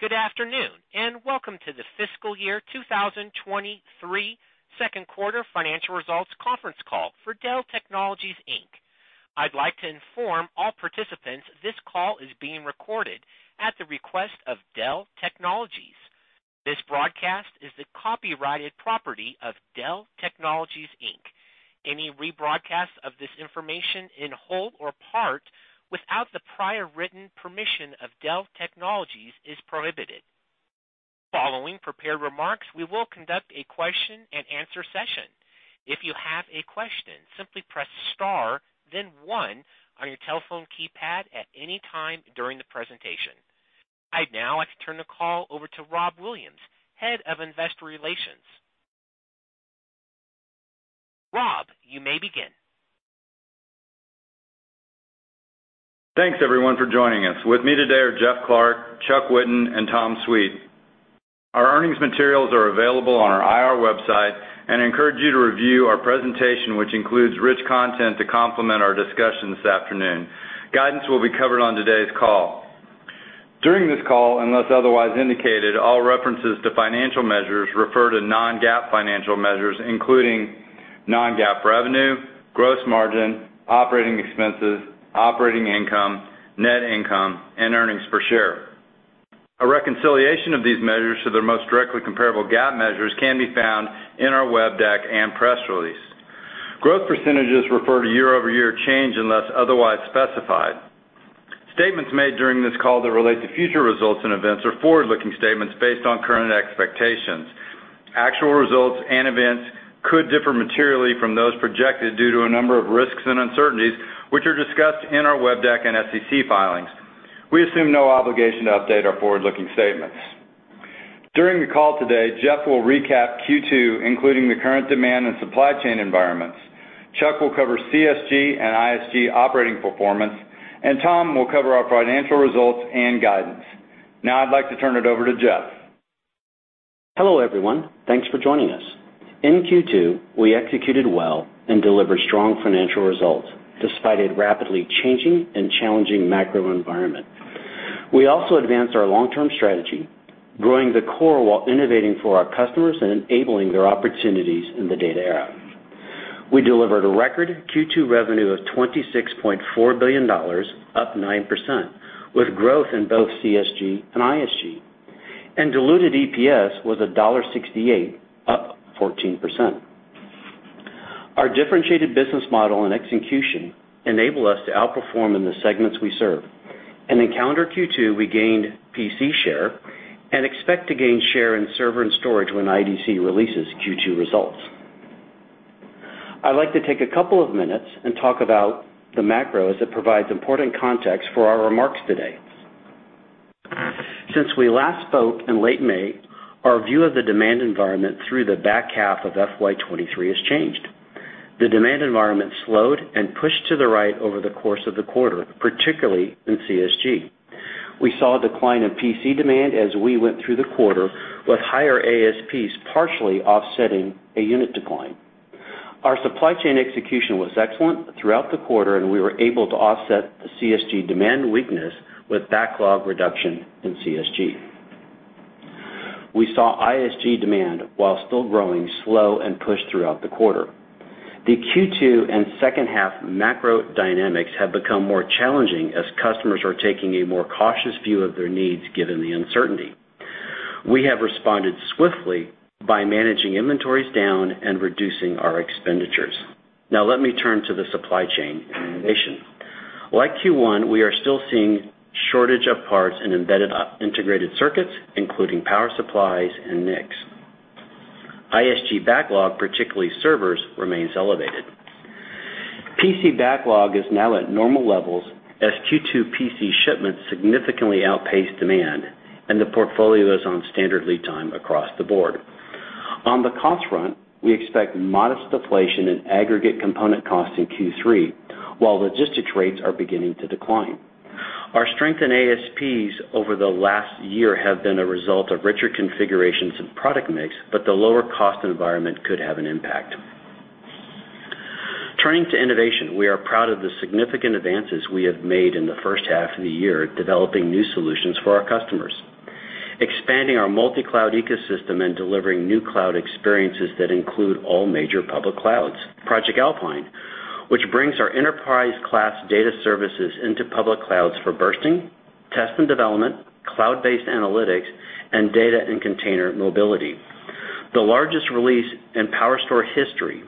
Good afternoon, and welcome to the fiscal year 2023 second quarter financial results conference call for Dell Technologies, Inc. I'd like to inform all participants this call is being recorded at the request of Dell Technologies. This broadcast is the copyrighted property of Dell Technologies, Inc. Any rebroadcast of this information in whole or part without the prior written permission of Dell Technologies is prohibited. Following prepared remarks, we will conduct a question-and-answer session. If you have a question, simply press star then one on your telephone keypad at any time during the presentation. Right now, I'd like to turn the call over to Rob Williams, Head of Investor Relations. Rob, you may begin. Thanks, everyone, for joining us. With me today are Jeff Clarke, Chuck Whitten, and Tom Sweet. Our earnings materials are available on our IR website and we encourage you to review our presentation, which includes rich content to complement our discussion this afternoon. Guidance will be covered on today's call. During this call, unless otherwise indicated, all references to financial measures refer to non-GAAP financial measures, including non-GAAP revenue, gross margin, operating expenses, operating income, net income, and earnings per share. A reconciliation of these measures to their most directly comparable GAAP measures can be found in our web deck and press release. Growth percentages refer to year-over-year change unless otherwise specified. Statements made during this call that relate to future results and events or forward-looking statements based on current expectations. Actual results and events could differ materially from those projected due to a number of risks and uncertainties, which are discussed in our web deck and SEC filings. We assume no obligation to update our forward-looking statements. During the call today, Jeff will recap Q2, including the current demand and supply chain environments. Chuck will cover CSG and ISG operating performance, and Tom will cover our financial results and guidance. Now I'd like to turn it over to Jeff. Hello, everyone. Thanks for joining us. In Q2, we executed well and delivered strong financial results despite a rapidly changing and challenging macro environment. We also advanced our long-term strategy, growing the core while innovating for our customers and enabling their opportunities in the data era. We delivered a record Q2 revenue of $26.4 billion, up 9%, with growth in both CSG and ISG. Diluted EPS was $1.68, up 14%. Our differentiated business model and execution enable us to outperform in the segments we serve. In calendar Q2, we gained PC share and expect to gain share in server and storage when IDC releases Q2 results. I'd like to take a couple of minutes and talk about the macro as it provides important context for our remarks today. Since we last spoke in late May, our view of the demand environment through the back half of FY 2023 has changed. The demand environment slowed and pushed to the right over the course of the quarter, particularly in CSG. We saw a decline in PC demand as we went through the quarter, with higher ASPs partially offsetting a unit decline. Our supply chain execution was excellent throughout the quarter, and we were able to offset the CSG demand weakness with backlog reduction in CSG. We saw ISG demand while still growing slow and pushed throughout the quarter. The Q2 and second half macro dynamics have become more challenging as customers are taking a more cautious view of their needs given the uncertainty. We have responded swiftly by managing inventories down and reducing our expenditures. Now let me turn to the supply chain and innovation. Like Q1, we are still seeing shortage of parts in embedded integrated circuits, including power supplies and NICs. ISG backlog, particularly servers, remains elevated. PC backlog is now at normal levels as Q2 PC shipments significantly outpaced demand, and the portfolio is on standard lead time across the board. On the cost front, we expect modest deflation in aggregate component costs in Q3 while logistics rates are beginning to decline. Our strength in ASPs over the last year have been a result of richer configurations and product mix, but the lower cost environment could have an impact. Turning to innovation, we are proud of the significant advances we have made in the first half of the year, developing new solutions for our customers, expanding our multi-cloud ecosystem, and delivering new cloud experiences that include all major public clouds. Project Alpine, which brings our enterprise-class data services into public clouds for bursting, test and development, cloud-based analytics, and data and container mobility. The largest release in PowerStore history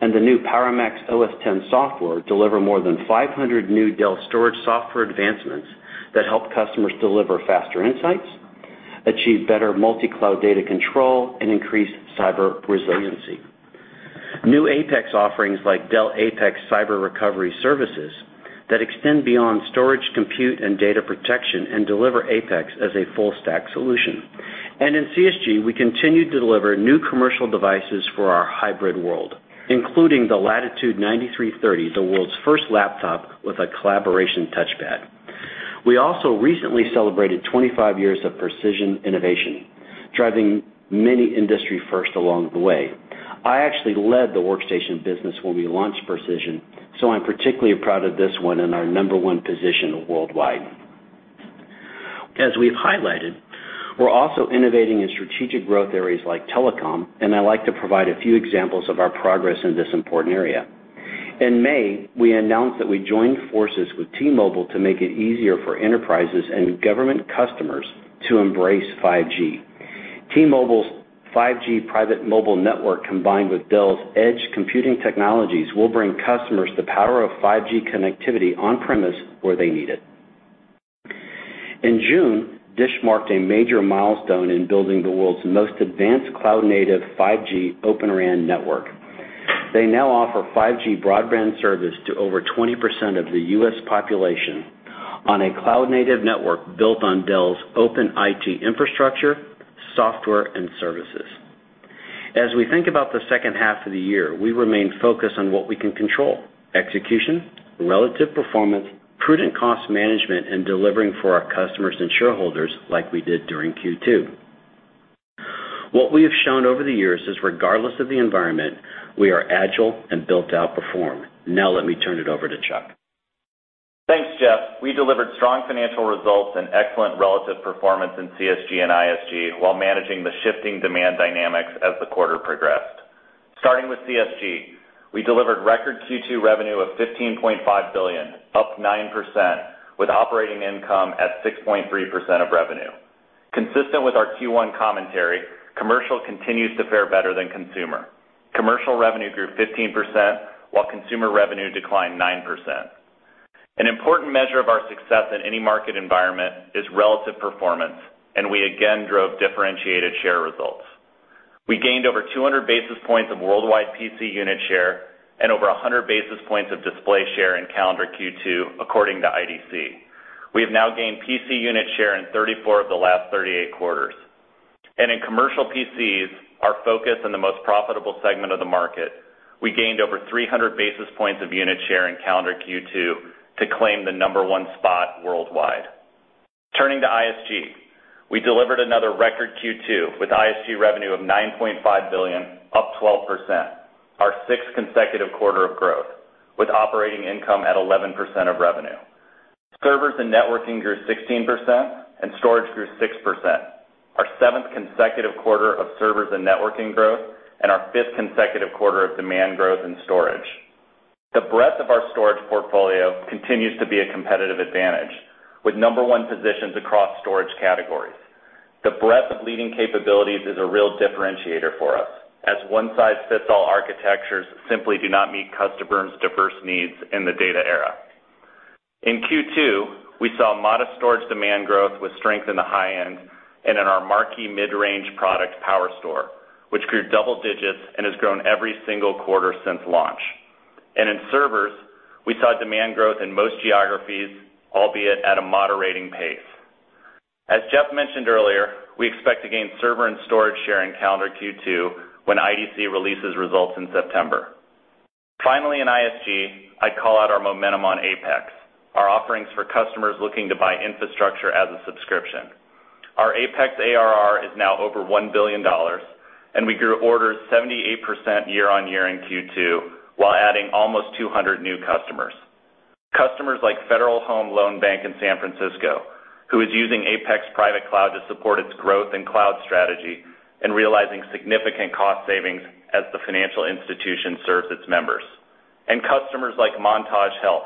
and the new PowerMaxOS 10 software deliver more than 500 new Dell storage software advancements that help customers deliver faster insights, achieve better multi-cloud data control, and increase cyber resiliency. New APEX offerings like Dell APEX Cyber Recovery Services that extend beyond storage, compute, and data protection and deliver APEX as a full-stack solution. In CSG, we continue to deliver new commercial devices for our hybrid world, including the Latitude 9330, the world's first laptop with a collaboration touchpad. We also recently celebrated 25 years of Precision innovation, driving many industry firsts along the way. I actually led the workstation business when we launched Precision, so I'm particularly proud of this one and our number one position worldwide. As we've highlighted, we're also innovating in strategic growth areas like telecom, and I like to provide a few examples of our progress in this important area. In May, we announced that we joined forces with T-Mobile to make it easier for enterprises and government customers to embrace 5G. T-Mobile's 5G private mobile network, combined with Dell's edge computing technologies, will bring customers the power of 5G connectivity on-premise where they need it. In June, DISH marked a major milestone in building the world's most advanced cloud-native 5G Open RAN network. They now offer 5G broadband service to over 20% of the U.S. population on a cloud-native network built on Dell's open IT infrastructure, software, and services. As we think about the second half of the year, we remain focused on what we can control, execution, relative performance, prudent cost management, and delivering for our customers and shareholders like we did during Q2. What we have shown over the years is, regardless of the environment, we are agile and built to outperform. Now let me turn it over to Chuck. Thanks, Jeff. We delivered strong financial results and excellent relative performance in CSG and ISG while managing the shifting demand dynamics as the quarter progressed. Starting with CSG, we delivered record Q2 revenue of $15.5 billion, up 9%, with operating income at 6.3% of revenue. Consistent with our Q1 commentary, commercial continues to fare better than consumer. Commercial revenue grew 15%, while consumer revenue declined 9%. An important measure of our success in any market environment is relative performance, and we again drove differentiated share results. We gained over 200 basis points of worldwide PC unit share and over 100 basis points of display share in calendar Q2 according to IDC. We have now gained PC unit share in 34 of the last 38 quarters. In commercial PCs, our focus in the most profitable segment of the market, we gained over 300 basis points of unit share in calendar Q2 to claim the number one spot worldwide. Turning to ISG, we delivered another record Q2 with ISG revenue of $9.5 billion, up 12%, our sixth consecutive quarter of growth, with operating income at 11% of revenue. Servers and networking grew 16% and storage grew 6%, our seventh consecutive quarter of servers and networking growth and our fifth consecutive quarter of demand growth in storage. The breadth of our storage portfolio continues to be a competitive advantage, with number one positions across storage categories. The breadth of leading capabilities is a real differentiator for us, as one-size-fits-all architectures simply do not meet customers' diverse needs in the data era. In Q2, we saw modest storage demand growth with strength in the high end and in our marquee mid-range product, PowerStore, which grew double digits and has grown every single quarter since launch. In servers, we saw demand growth in most geographies, albeit at a moderating pace. As Jeff mentioned earlier, we expect to gain server and storage share in calendar Q2 when IDC releases results in September. Finally, in ISG, I call out our momentum on APEX, our offerings for customers looking to buy infrastructure as a subscription. Our APEX ARR is now over $1 billion, and we grew orders 78% year-over-year in Q2, while adding almost 200 new customers. Customers like Federal Home Loan Bank of San Francisco, who is using APEX Private Cloud to support its growth and cloud strategy and realizing significant cost savings as the financial institution serves its members. Customers like Montage Health,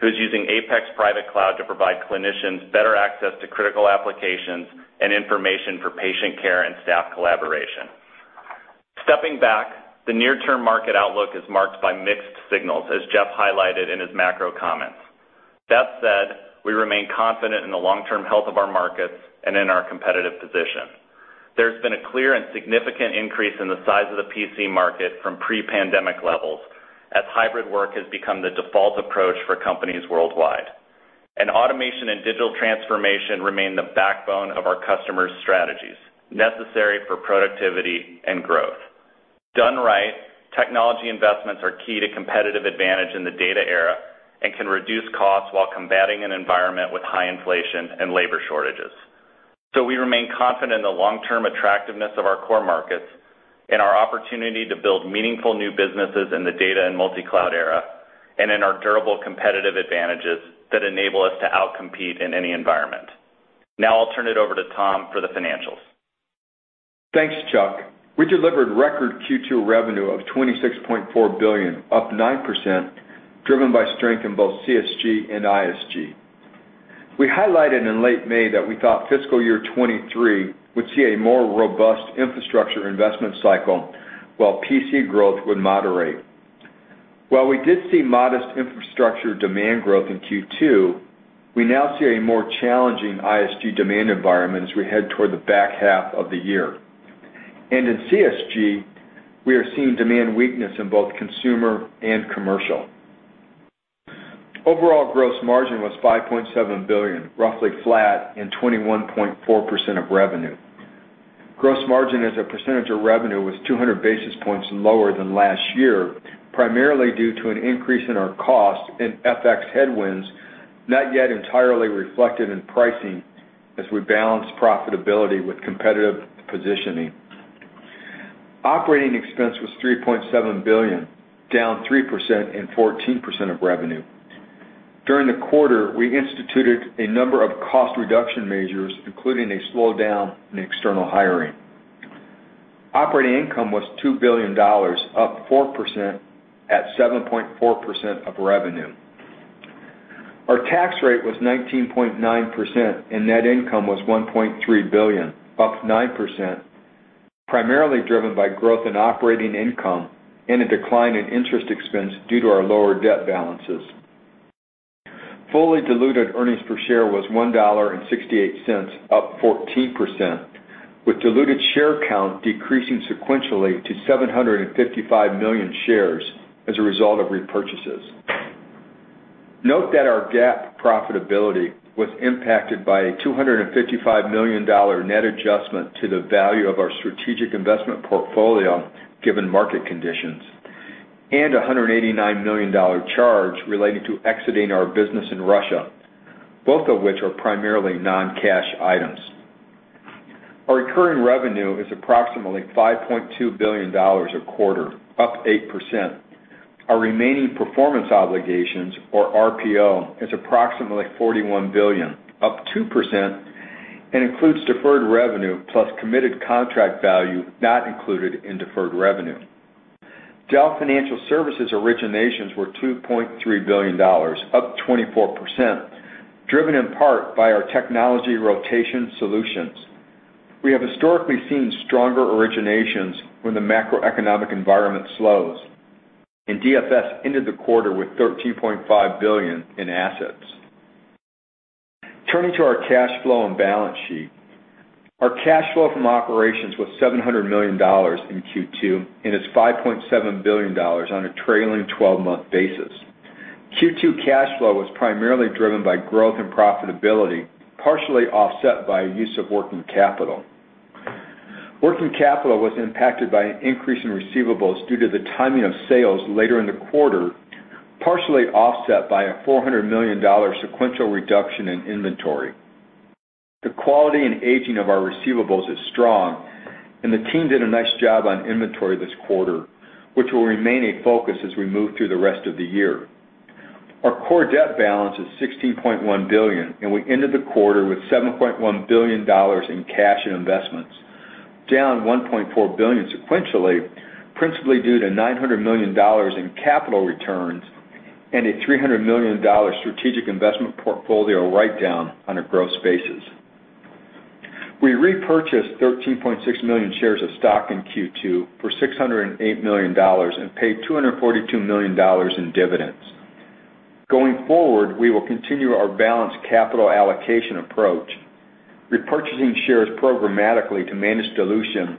who is using APEX Private Cloud to provide clinicians better access to critical applications and information for patient care and staff collaboration. Stepping back, the near-term market outlook is marked by mixed signals, as Jeff highlighted in his macro comments. That said, we remain confident in the long-term health of our markets and in our competitive position. There's been a clear and significant increase in the size of the PC market from pre-pandemic levels as hybrid work has become the default approach for companies worldwide. Automation and digital transformation remain the backbone of our customers' strategies, necessary for productivity and growth. Done right, technology investments are key to competitive advantage in the data era and can reduce costs while combating an environment with high inflation and labor shortages. We remain confident in the long-term attractiveness of our core markets, in our opportunity to build meaningful new businesses in the data and multi-cloud era, and in our durable competitive advantages that enable us to outcompete in any environment. Now I'll turn it over to Tom for the financials. Thanks, Chuck. We delivered record Q2 revenue of $26.4 billion, up 9%, driven by strength in both CSG and ISG. We highlighted in late May that we thought fiscal year 2023 would see a more robust infrastructure investment cycle while PC growth would moderate. While we did see modest infrastructure demand growth in Q2, we now see a more challenging ISG demand environment as we head toward the back half of the year. In CSG, we are seeing demand weakness in both consumer and commercial. Overall gross margin was $5.7 billion, roughly flat, and 21.4% of revenue. Gross margin as a percentage of revenue was 200 basis points lower than last year, primarily due to an increase in our cost and FX headwinds, not yet entirely reflected in pricing as we balance profitability with competitive positioning. Operating expense was $3.7 billion, down 3% and 14% of revenue. During the quarter, we instituted a number of cost reduction measures, including a slowdown in external hiring. Operating income was $2 billion, up 4% at 7.4% of revenue. Our tax rate was 19.9% and net income was $1.3 billion, up 9%, primarily driven by growth in operating income and a decline in interest expense due to our lower debt balances. Fully diluted earnings per share was $1.68, up 14%, with diluted share count decreasing sequentially to 755 million shares as a result of repurchases. Note that our GAAP profitability was impacted by a $255 million net adjustment to the value of our strategic investment portfolio given market conditions, and a $189 million charge related to exiting our business in Russia, both of which are primarily non-cash items. Our recurring revenue is approximately $5.2 billion a quarter, up 8%. Our remaining performance obligations, or RPO, is approximately $41 billion, up 2%, and includes deferred revenue plus committed contract value not included in deferred revenue. Dell Financial Services originations were $2.3 billion, up 24%, driven in part by our technology rotation solutions. We have historically seen stronger originations when the macroeconomic environment slows, and DFS ended the quarter with $13.5 billion in assets. Turning to our cash flow and balance sheet. Our cash flow from operations was $700 million in Q2 and is $5.7 billion on a trailing 12-month basis. Q2 cash flow was primarily driven by growth and profitability, partially offset by use of working capital. Working capital was impacted by an increase in receivables due to the timing of sales later in the quarter, partially offset by a $400 million sequential reduction in inventory. The quality and aging of our receivables is strong and the team did a nice job on inventory this quarter, which will remain a focus as we move through the rest of the year. Our core debt balance is $16.1 billion, and we ended the quarter with $7.1 billion in cash and investments, down $1.4 billion sequentially, principally due to $900 million in capital returns and a $300 million strategic investment portfolio write-down on a gross basis. We repurchased 13.6 million shares of stock in Q2 for $608 million and paid $242 million in dividends. Going forward, we will continue our balanced capital allocation approach, repurchasing shares programmatically to manage dilution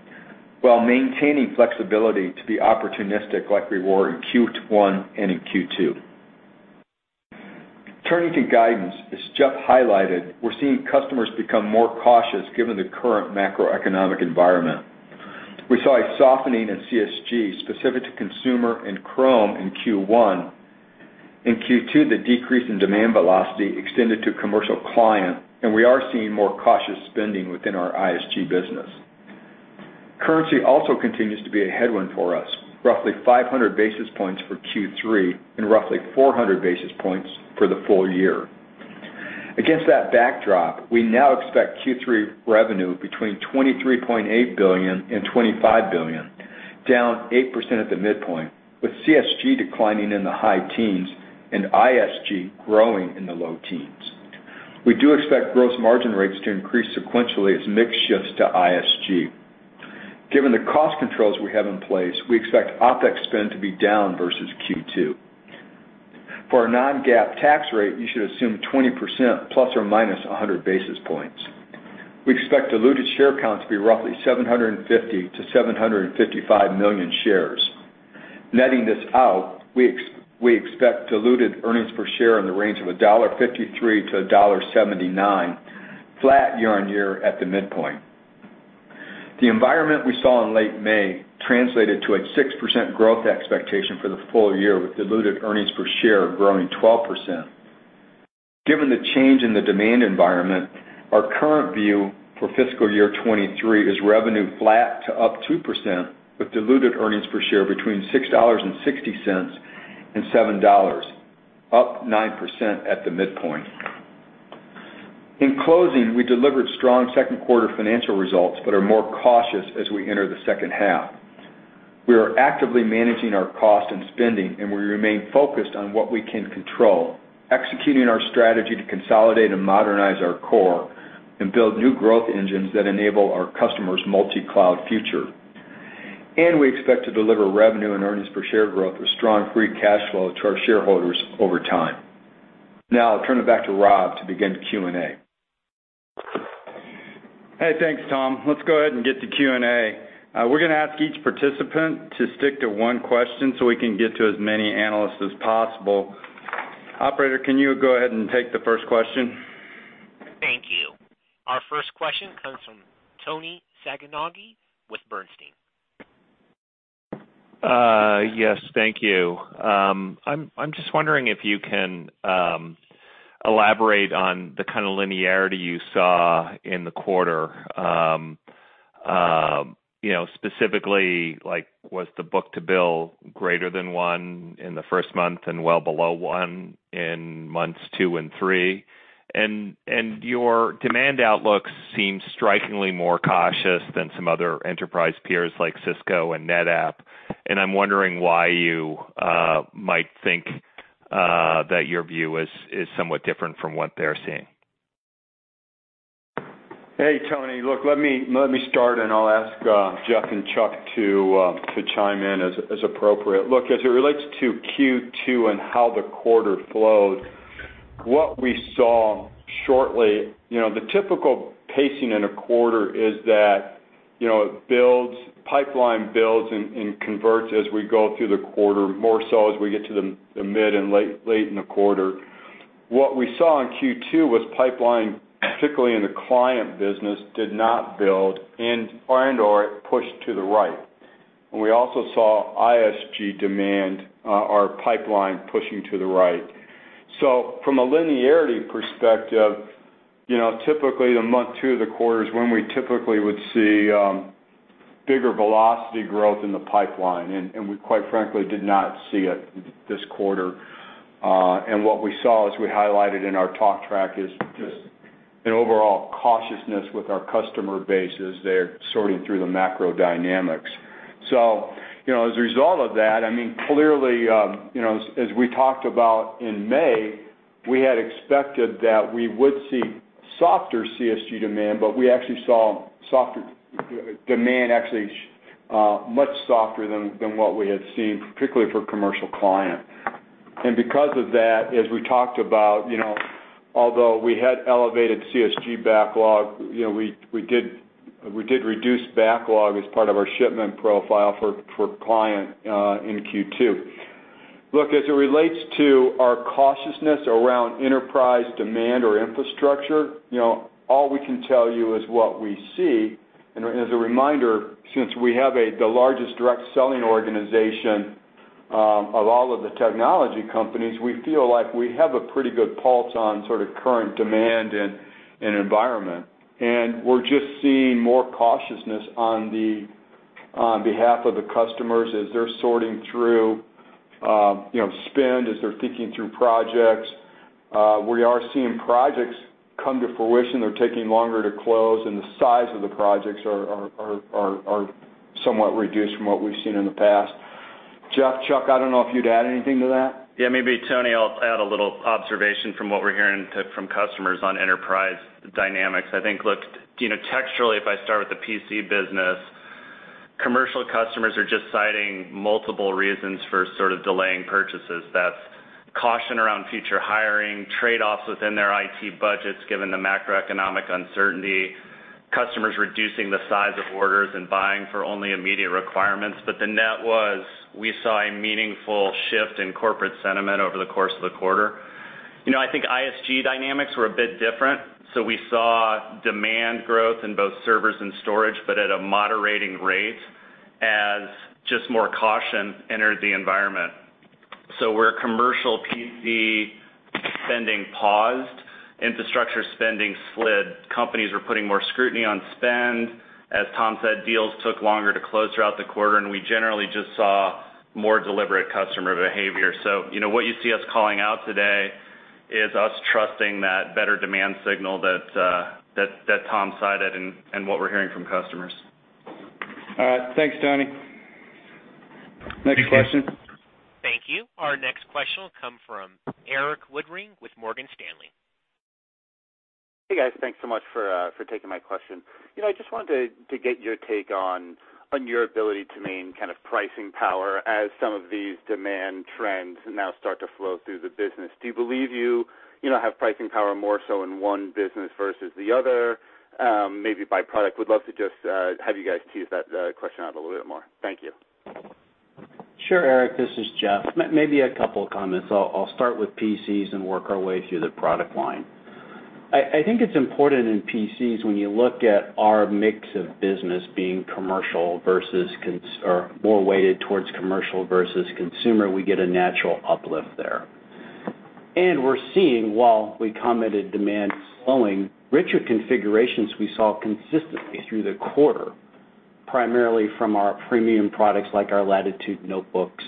while maintaining flexibility to be opportunistic like we were in Q1 and in Q2. Turning to guidance, as Jeff highlighted, we're seeing customers become more cautious given the current macroeconomic environment. We saw a softening in CSG specific to consumer and Chrome in Q1. In Q2, the decrease in demand velocity extended to commercial client, and we are seeing more cautious spending within our ISG business. Currency also continues to be a headwind for us, roughly 500 basis points for Q3 and roughly 400 basis points for the full year. Against that backdrop, we now expect Q3 revenue between $23.8 billion and $25 billion, down 8% at the midpoint, with CSG declining in the high teens and ISG growing in the low teens. We do expect gross margin rates to increase sequentially as mix shifts to ISG. Given the cost controls we have in place, we expect OpEx spend to be down versus Q2. For our non-GAAP tax rate, you should assume 20% ± 100 basis points. We expect diluted share count to be roughly 750-755 million shares. Netting this out, we expect diluted earnings per share in the range of $1.53-$1.79, flat year on year at the midpoint. The environment we saw in late May translated to a 6% growth expectation for the full year, with diluted earnings per share growing 12%. Given the change in the demand environment, our current view for fiscal year 2023 is revenue flat to up 2%, with diluted earnings per share between $6.60 and $7, up 9% at the midpoint. In closing, we delivered strong second quarter financial results, but are more cautious as we enter the second half. We are actively managing our cost and spending, and we remain focused on what we can control, executing our strategy to consolidate and modernize our core and build new growth engines that enable our customers multi-cloud future. We expect to deliver revenue and earnings per share growth with strong free cash flow to our shareholders over time. Now I'll turn it back to Rob to begin Q&A. Hey, thanks, Tom. Let's go ahead and get to Q&A. We're gonna ask each participant to stick to one question so we can get to as many analysts as possible. Operator, can you go ahead and take the first question? Thank you. Our first question comes from Toni Sacconaghi with Bernstein. Yes, thank you. I'm just wondering if you can elaborate on the kind of linearity you saw in the quarter. You know, specifically, like was the book to bill greater than one in the first month and well below one in months 2 and 3? Your demand outlook seems strikingly more cautious than some other enterprise peers like Cisco and NetApp. I'm wondering why you might think that your view is somewhat different from what they're seeing. Hey, Tony. Look, let me start, and I'll ask Jeff and Chuck to chime in as appropriate. Look, as it relates to Q2 and how the quarter flowed, what we saw shortly, you know, the typical pacing in a quarter is that, you know, it builds, pipeline builds and converts as we go through the quarter, more so as we get to the mid and late in the quarter. What we saw in Q2 was pipeline, particularly in the client business, did not build and/or it pushed to the right. We also saw ISG demand, our pipeline pushing to the right. From a linearity perspective, you know, typically the month 2 of the quarter is when we typically would see bigger velocity growth in the pipeline, and we quite frankly did not see it this quarter. What we saw as we highlighted in our talk track is just an overall cautiousness with our customer base as they're sorting through the macro dynamics. You know, as a result of that, I mean, clearly, you know, as we talked about in May, we had expected that we would see softer CSG demand, but we actually saw softer demand actually much softer than what we had seen, particularly for commercial client. Because of that, as we talked about, you know, although we had elevated CSG backlog, you know, we did reduce backlog as part of our shipment profile for client in Q2. Look, as it relates to our cautiousness around enterprise demand or infrastructure, you know, all we can tell you is what we see. As a reminder, since we have the largest direct selling organization of all of the technology companies, we feel like we have a pretty good pulse on sort of current demand and environment. We're just seeing more cautiousness on behalf of the customers as they're sorting through, you know, spend, as they're thinking through projects. We are seeing projects come to fruition. They're taking longer to close, and the size of the projects are somewhat reduced from what we've seen in the past. Jeff, Chuck, I don't know if you'd add anything to that. Yeah. Maybe Toni, I'll add a little observation from what we're hearing from customers on enterprise dynamics. I think, look, you know, textually, if I start with the PC business, commercial customers are just citing multiple reasons for sort of delaying purchases. That's caution around future hiring, trade-offs within their IT budgets given the macroeconomic uncertainty, customers reducing the size of orders and buying for only immediate requirements. The net was we saw a meaningful shift in corporate sentiment over the course of the quarter. You know, I think ISG dynamics were a bit different. We saw demand growth in both servers and storage, but at a moderating rate as just more caution entered the environment. Where commercial PC spending paused, infrastructure spending slid. Companies were putting more scrutiny on spend. As Tom said, deals took longer to close throughout the quarter, and we generally just saw more deliberate customer behavior. You know, what you see us calling out today is us trusting that better demand signal that Tom cited and what we're hearing from customers. All right. Thanks, Toni. Next question. Thank you. Our next question will come from Erik Woodring with Morgan Stanley. Hey, guys. Thanks so much for taking my question. You know, I just wanted to get your take on your ability to maintain kind of pricing power as some of these demand trends now start to flow through the business. Do you believe, you know, have pricing power more so in one business versus the other? Maybe by product. We'd love to just have you guys tease that question out a little bit more. Thank you. Sure, Erik, this is Jeff. Maybe a couple comments. I'll start with PCs and work our way through the product line. I think it's important in PCs when you look at our mix of business being commercial versus consumer, or more weighted towards commercial versus consumer, we get a natural uplift there. We're seeing, while we commented demand slowing, richer configurations we saw consistently through the quarter, primarily from our premium products like our Latitude notebooks,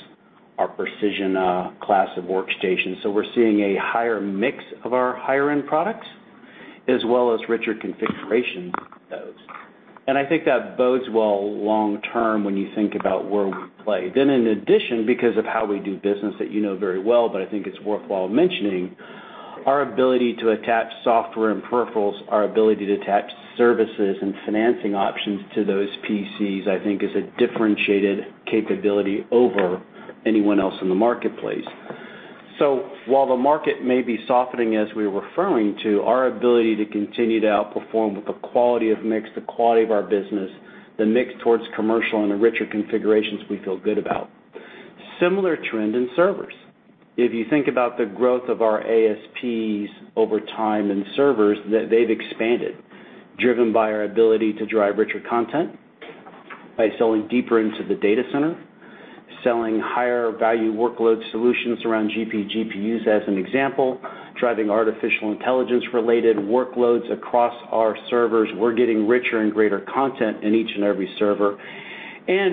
our Precision class of workstations. We're seeing a higher mix of our higher-end products as well as richer configurations of those. I think that bodes well long term when you think about where we play. In addition, because of how we do business that you know very well, but I think it's worthwhile mentioning, our ability to attach software and peripherals, our ability to attach services and financing options to those PCs, I think is a differentiated capability over anyone else in the marketplace. While the market may be softening as we're referring to, our ability to continue to outperform with the quality of mix, the quality of our business, the mix towards commercial and the richer configurations we feel good about. Similar trend in servers. If you think about the growth of our ASPs over time in servers, they've expanded, driven by our ability to drive richer content by selling deeper into the data center, selling higher value workload solutions around GPUs, as an example, driving artificial intelligence-related workloads across our servers. We're getting richer and greater content in each and every server.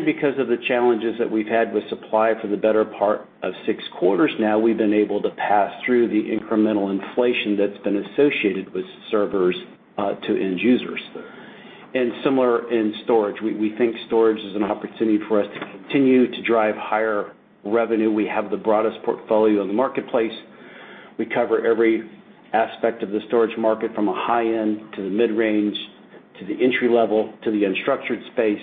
Because of the challenges that we've had with supply for the better part of six quarters now, we've been able to pass through the incremental inflation that's been associated with servers to end users. Similar in storage. We think storage is an opportunity for us to continue to drive higher revenue. We have the broadest portfolio in the marketplace. We cover every aspect of the storage market, from a high-end, to the mid-range, to the entry level, to the unstructured space,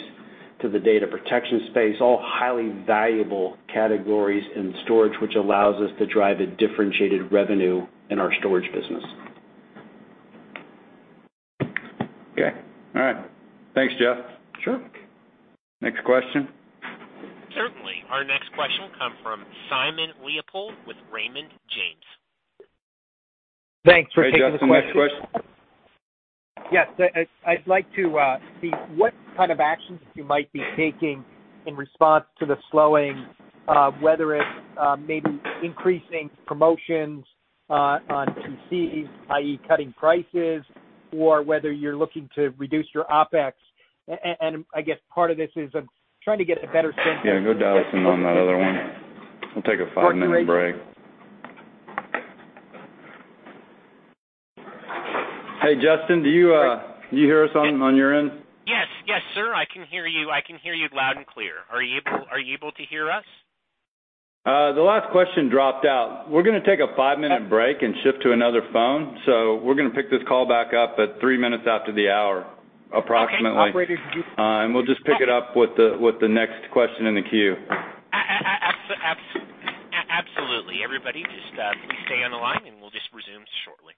to the data protection space, all highly valuable categories in storage, which allows us to drive a differentiated revenue in our storage business. Okay. All right. Thanks, Jeff. Sure. Next question. Certainly. Our next question comes from Simon Leopold with Raymond James. Thanks for taking the question. Hey, Justin. Next question. Yes, I'd like to see what kind of actions you might be taking in response to the slowing, whether it's maybe increasing promotions on PCs, i.e. cutting prices, or whether you're looking to reduce your OpEx. I guess part of this is I'm trying to get a better sense of. Yeah, go dial us in on that other one. We'll take a five-minute break. Hey, Justin, do you hear us on your end? Yes. Yes, sir, I can hear you. I can hear you loud and clear. Are you able to hear us? The last question dropped out. We're gonna take a five-minute break and shift to another phone, so we're gonna pick this call back up at three minutes after the hour, approximately. Okay. Operator, do you? We'll just pick it up with the next question in the queue. Absolutely. Everybody, just please stay on the line, and we'll just resume shortly.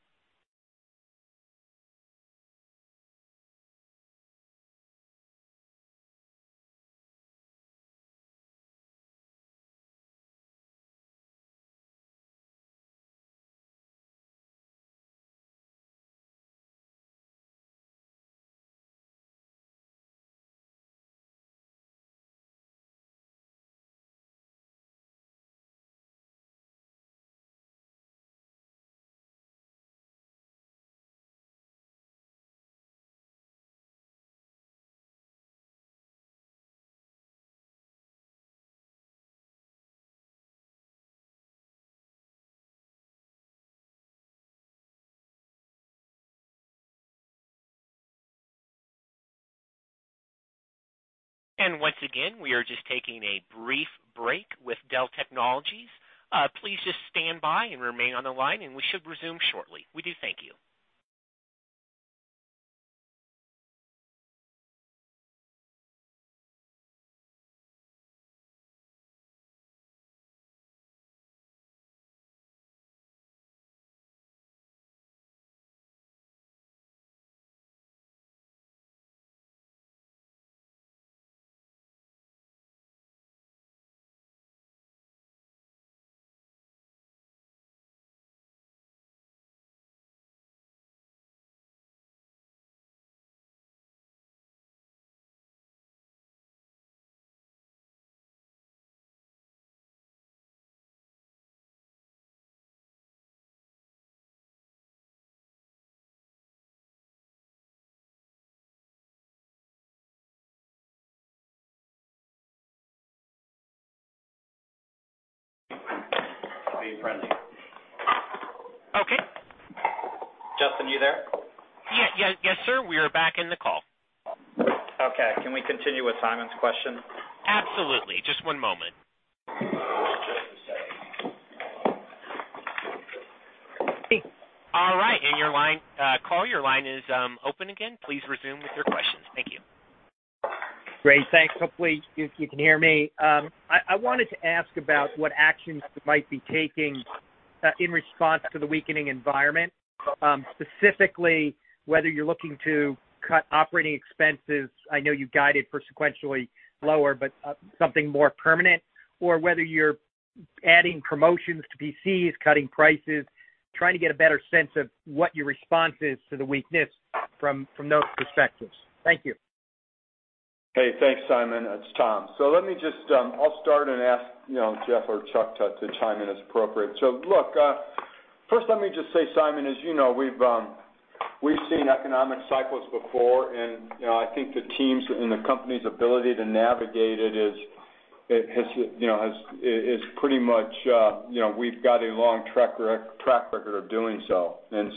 Once again, we are just taking a brief break with Dell Technologies. Please just stand by and remain on the line, and we should resume shortly. We do thank you. Justin, you there? Yes, sir. We are back in the call. Okay. Can we continue with Simon's question? Absolutely. Just one moment. Just a second. All right. Your line is open again. Please resume with your questions. Thank you. Great. Thanks. Hopefully you can hear me. I wanted to ask about what actions you might be taking in response to the weakening environment, specifically whether you're looking to cut operating expenses. I know you guided for sequentially lower, but something more permanent or whether you're adding promotions to PCs, cutting prices, trying to get a better sense of what your response is to the weakness from those perspectives. Thank you. Hey, thanks, Simon. It's Tom. Let me just... I'll start and ask, you know, Jeff or Chuck to chime in as appropriate. Look, first let me just say, Simon, as you know, we've seen economic cycles before, and, you know, I think the teams and the company's ability to navigate it is pretty much, you know, we've got a long track record of doing so, and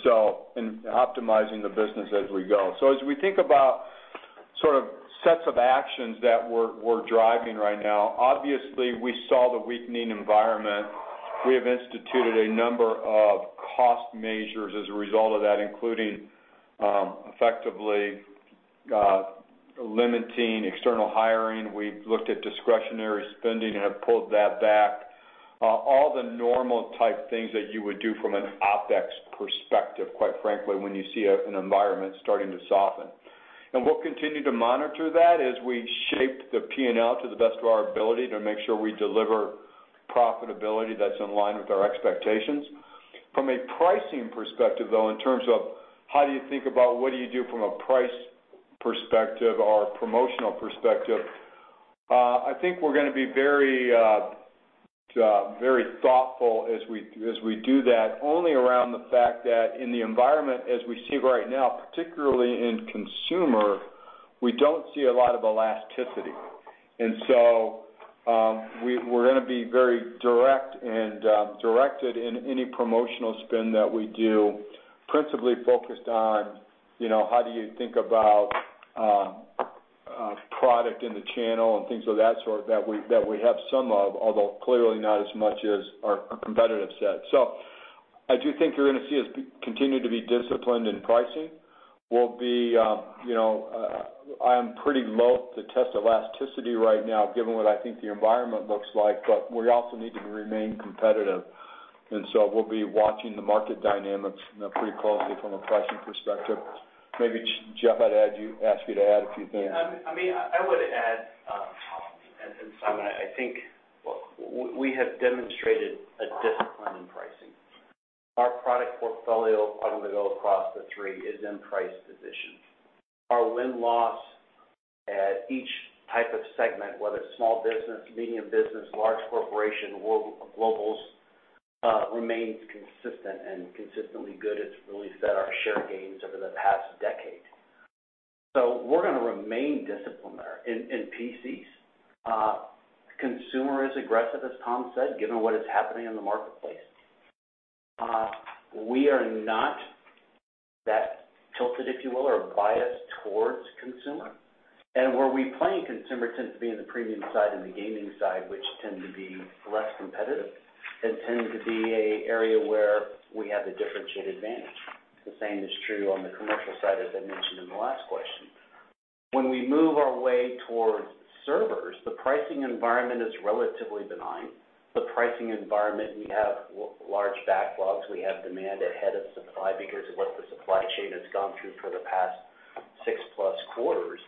optimizing the business as we go. As we think about sort of sets of actions that we're driving right now, obviously we saw the weakening environment. We have instituted a number of cost measures as a result of that, including, effectively, limiting external hiring. We've looked at discretionary spending and have pulled that back. All the normal type things that you would do from an OpEx perspective, quite frankly, when you see an environment starting to soften. We'll continue to monitor that as we shape the P&L to the best of our ability to make sure we deliver profitability that's in line with our expectations. From a pricing perspective, though, in terms of how do you think about what do you do from a price perspective or a promotional perspective, I think we're gonna be very thoughtful as we do that, only around the fact that in the environment as we see right now, particularly in consumer, we don't see a lot of elasticity. We're gonna be very direct and directed in any promotional spin that we do, principally focused on, you know, how do you think about product in the channel and things of that sort that we have some of, although clearly not as much as our competitive set. I do think you're gonna see us continue to be disciplined in pricing. We'll be, you know, I'm pretty loath to test elasticity right now given what I think the environment looks like, but we also need to remain competitive. We'll be watching the market dynamics, you know, pretty closely from a pricing perspective. Maybe, Jeff, I'd ask you to add a few things. I mean, I would add, as in Simon, I think we have demonstrated a discipline in pricing. Our product portfolio, bottom line across the three, is in price position. Our win-loss at each type of segment, whether it's small business, medium business, large corporation, or globals, remains consistent and consistently good. It's really set our share gains over the past decade. We're gonna remain disciplined there. In PCs, consumer is aggressive, as Tom said, given what is happening in the marketplace. We are not that tilted, if you will, or biased towards consumer. Where we play in consumer tends to be in the premium side and the gaming side, which tend to be less competitive and tend to be an area where we have a differentiated advantage. The same is true on the commercial side, as I mentioned in the last question. When we move our way towards servers, the pricing environment is relatively benign. The pricing environment, we have large backlogs, we have demand ahead of supply because of what the supply chain has gone through for the past six plus quarters.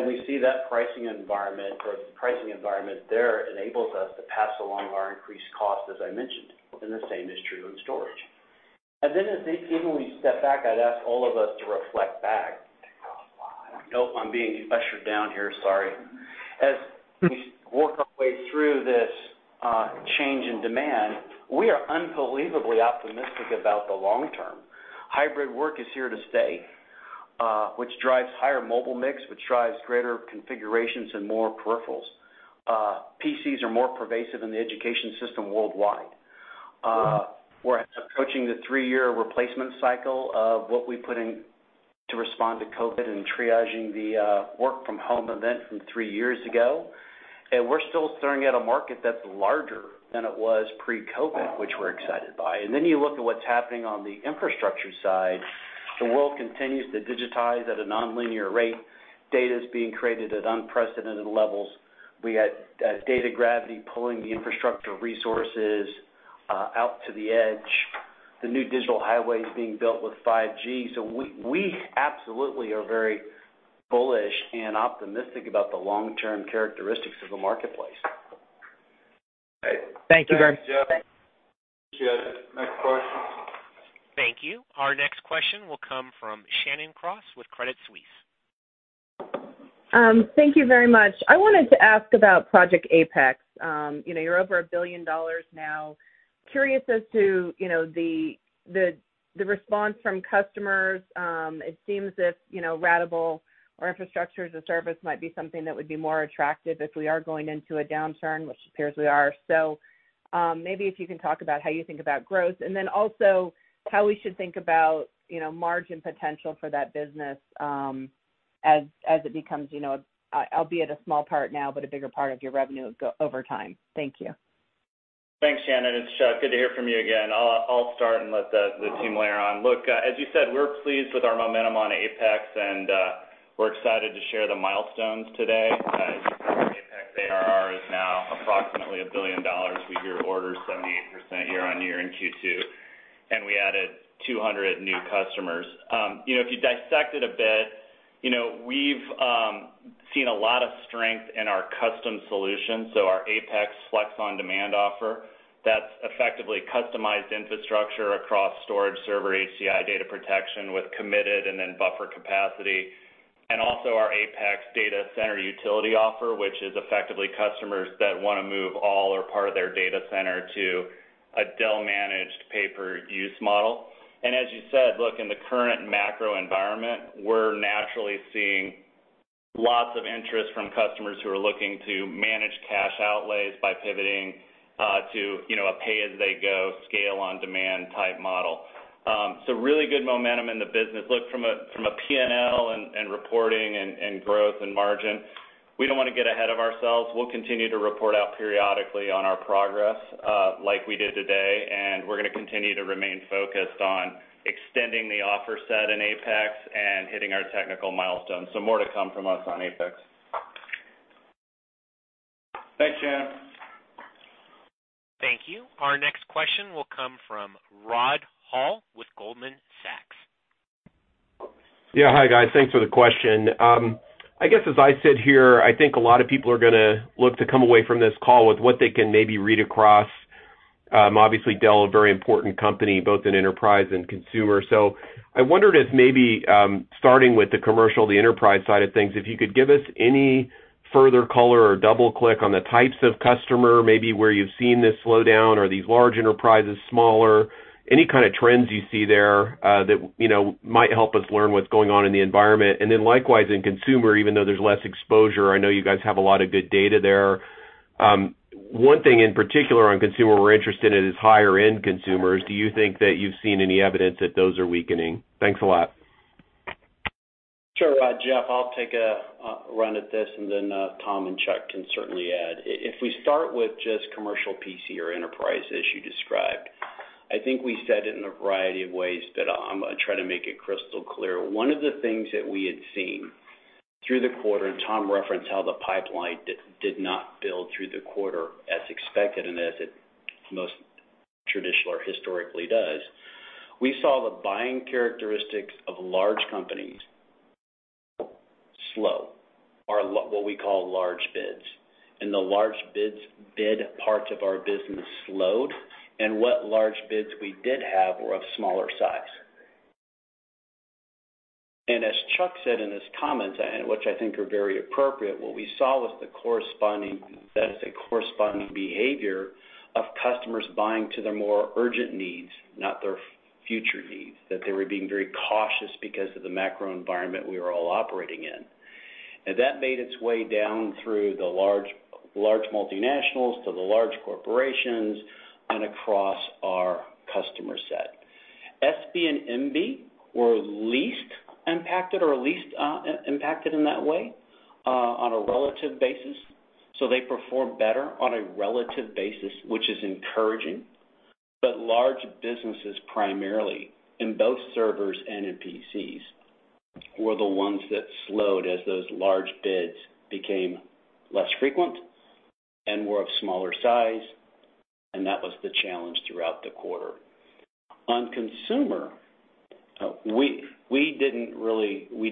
We see that pricing environment, or the pricing environment there enables us to pass along our increased cost, as I mentioned, and the same is true in storage. Even when you step back, I'd ask all of us to reflect back. Oh, I'm being ushered down here. Sorry. As we work our way through this change in demand, we are unbelievably optimistic about the long term. Hybrid work is here to stay, which drives higher mobile mix, which drives greater configurations and more peripherals. PCs are more pervasive in the education system worldwide. We're approaching the three-year replacement cycle of what we put in to respond to COVID and triaging the work from home event from three years ago. We're still staring at a market that's larger than it was pre-COVID, which we're excited by. Then you look at what's happening on the infrastructure side. The world continues to digitize at a nonlinear rate. Data is being created at unprecedented levels. We got data gravity pulling the infrastructure resources out to the edge. The new digital highway is being built with 5G. We absolutely are very bullish and optimistic about the long-term characteristics of the marketplace. Great. Thank you very much. Thanks, Jeff. Next question. Thank you. Our next question will come from Shannon Cross with Credit Suisse. Thank you very much. I wanted to ask about Project APEX. You know, you're over $1 billion now. Curious as to, you know, the response from customers. It seems if, you know, ratable or infrastructure as a service might be something that would be more attractive if we are going into a downturn, which appears we are. Maybe if you can talk about how you think about growth. Then also how we should think about, you know, margin potential for that business, as it becomes, you know, albeit a small part now, but a bigger part of your revenue growth over time. Thank you. Thanks, Shannon. It's Chuck. Good to hear from you again. I'll start and let the team layer on. Look, as you said, we're pleased with our momentum on APEX, and we're excited to share the milestones today. As you know, APEX ARR is now approximately $1 billion. We grew orders 78% year-over-year in Q2, and we added 200 new customers. You know, if you dissect it a bit, you know, we've seen a lot of strength in our custom solutions, so our APEX Flex on Demand offer. That's effectively customized infrastructure across storage server HCI data protection with committed and then buffer capacity. Also our APEX Data Center Utility offer, which is effectively customers that wanna move all or part of their data center to a Dell-managed pay-per-use model. As you said, look, in the current macro environment, we're naturally seeing lots of interest from customers who are looking to manage cash outlays by pivoting to, you know, a pay-as-they-go, scale on demand type model. So really good momentum in the business. Look, from a P&L and reporting and growth and margin, we don't wanna get ahead of ourselves. We'll continue to report out periodically on our progress, like we did today, and we're gonna continue to remain focused on extending the offer set in APEX and hitting our technical milestones. More to come from us on APEX. Thanks, Jim. Thank you. Our next question will come from Rod Hall with Goldman Sachs. Yeah. Hi, guys. Thanks for the question. I guess as I sit here, I think a lot of people are gonna look to come away from this call with what they can maybe read across, obviously Dell, a very important company, both in enterprise and consumer. I wondered if maybe, starting with the commercial, the enterprise side of things, if you could give us any further color or double click on the types of customer, maybe where you've seen this slowdown. Are these large enterprises, smaller? Any kind of trends you see there, that you know, might help us learn what's going on in the environment. And then likewise, in consumer, even though there's less exposure, I know you guys have a lot of good data there. One thing in particular on consumer we're interested in is higher end consumers. Do you think that you've seen any evidence that those are weakening? Thanks a lot. Sure, Rod. Jeff, I'll take a run at this, and then Tom and Chuck can certainly add. If we start with just commercial PC or enterprise as you described, I think we said it in a variety of ways, but I'm gonna try to make it crystal clear. One of the things that we had seen through the quarter, and Tom referenced how the pipeline did not build through the quarter as expected and as it most traditionally or historically does. We saw the buying characteristics of large companies slow, our what we call large bids. The large bids big parts of our business slowed, and what large bids we did have were of smaller size. As Chuck said in his comments, which I think are very appropriate, what we saw was the corresponding behavior of customers buying to their more urgent needs, not their future needs, that they were being very cautious because of the macro environment we were all operating in. That made its way down through the large multinationals to the large corporations and across our customer set. SB and MB were least impacted or least impacted in that way, on a relative basis, so they performed better on a relative basis, which is encouraging. Large businesses, primarily in both servers and in PCs, were the ones that slowed as those large bids became less frequent and were of smaller size, and that was the challenge throughout the quarter. On consumer, we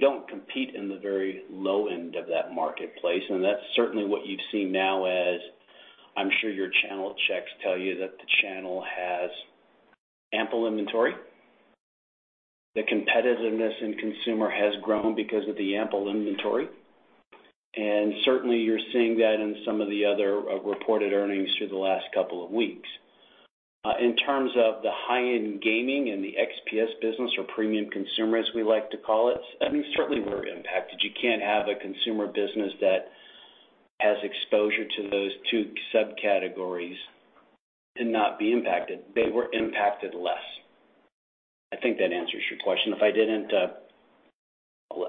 don't compete in the very low end of that marketplace, and that's certainly what you've seen now as I'm sure your channel checks tell you that the channel has ample inventory. The competitiveness in consumer has grown because of the ample inventory, and certainly you're seeing that in some of the other reported earnings through the last couple of weeks. In terms of the high-end gaming and the XPS business or premium consumer, as we like to call it, I mean, certainly we're impacted. You can't have a consumer business that has exposure to those two subcategories and not be impacted. They were impacted less. I think that answers your question. If I didn't,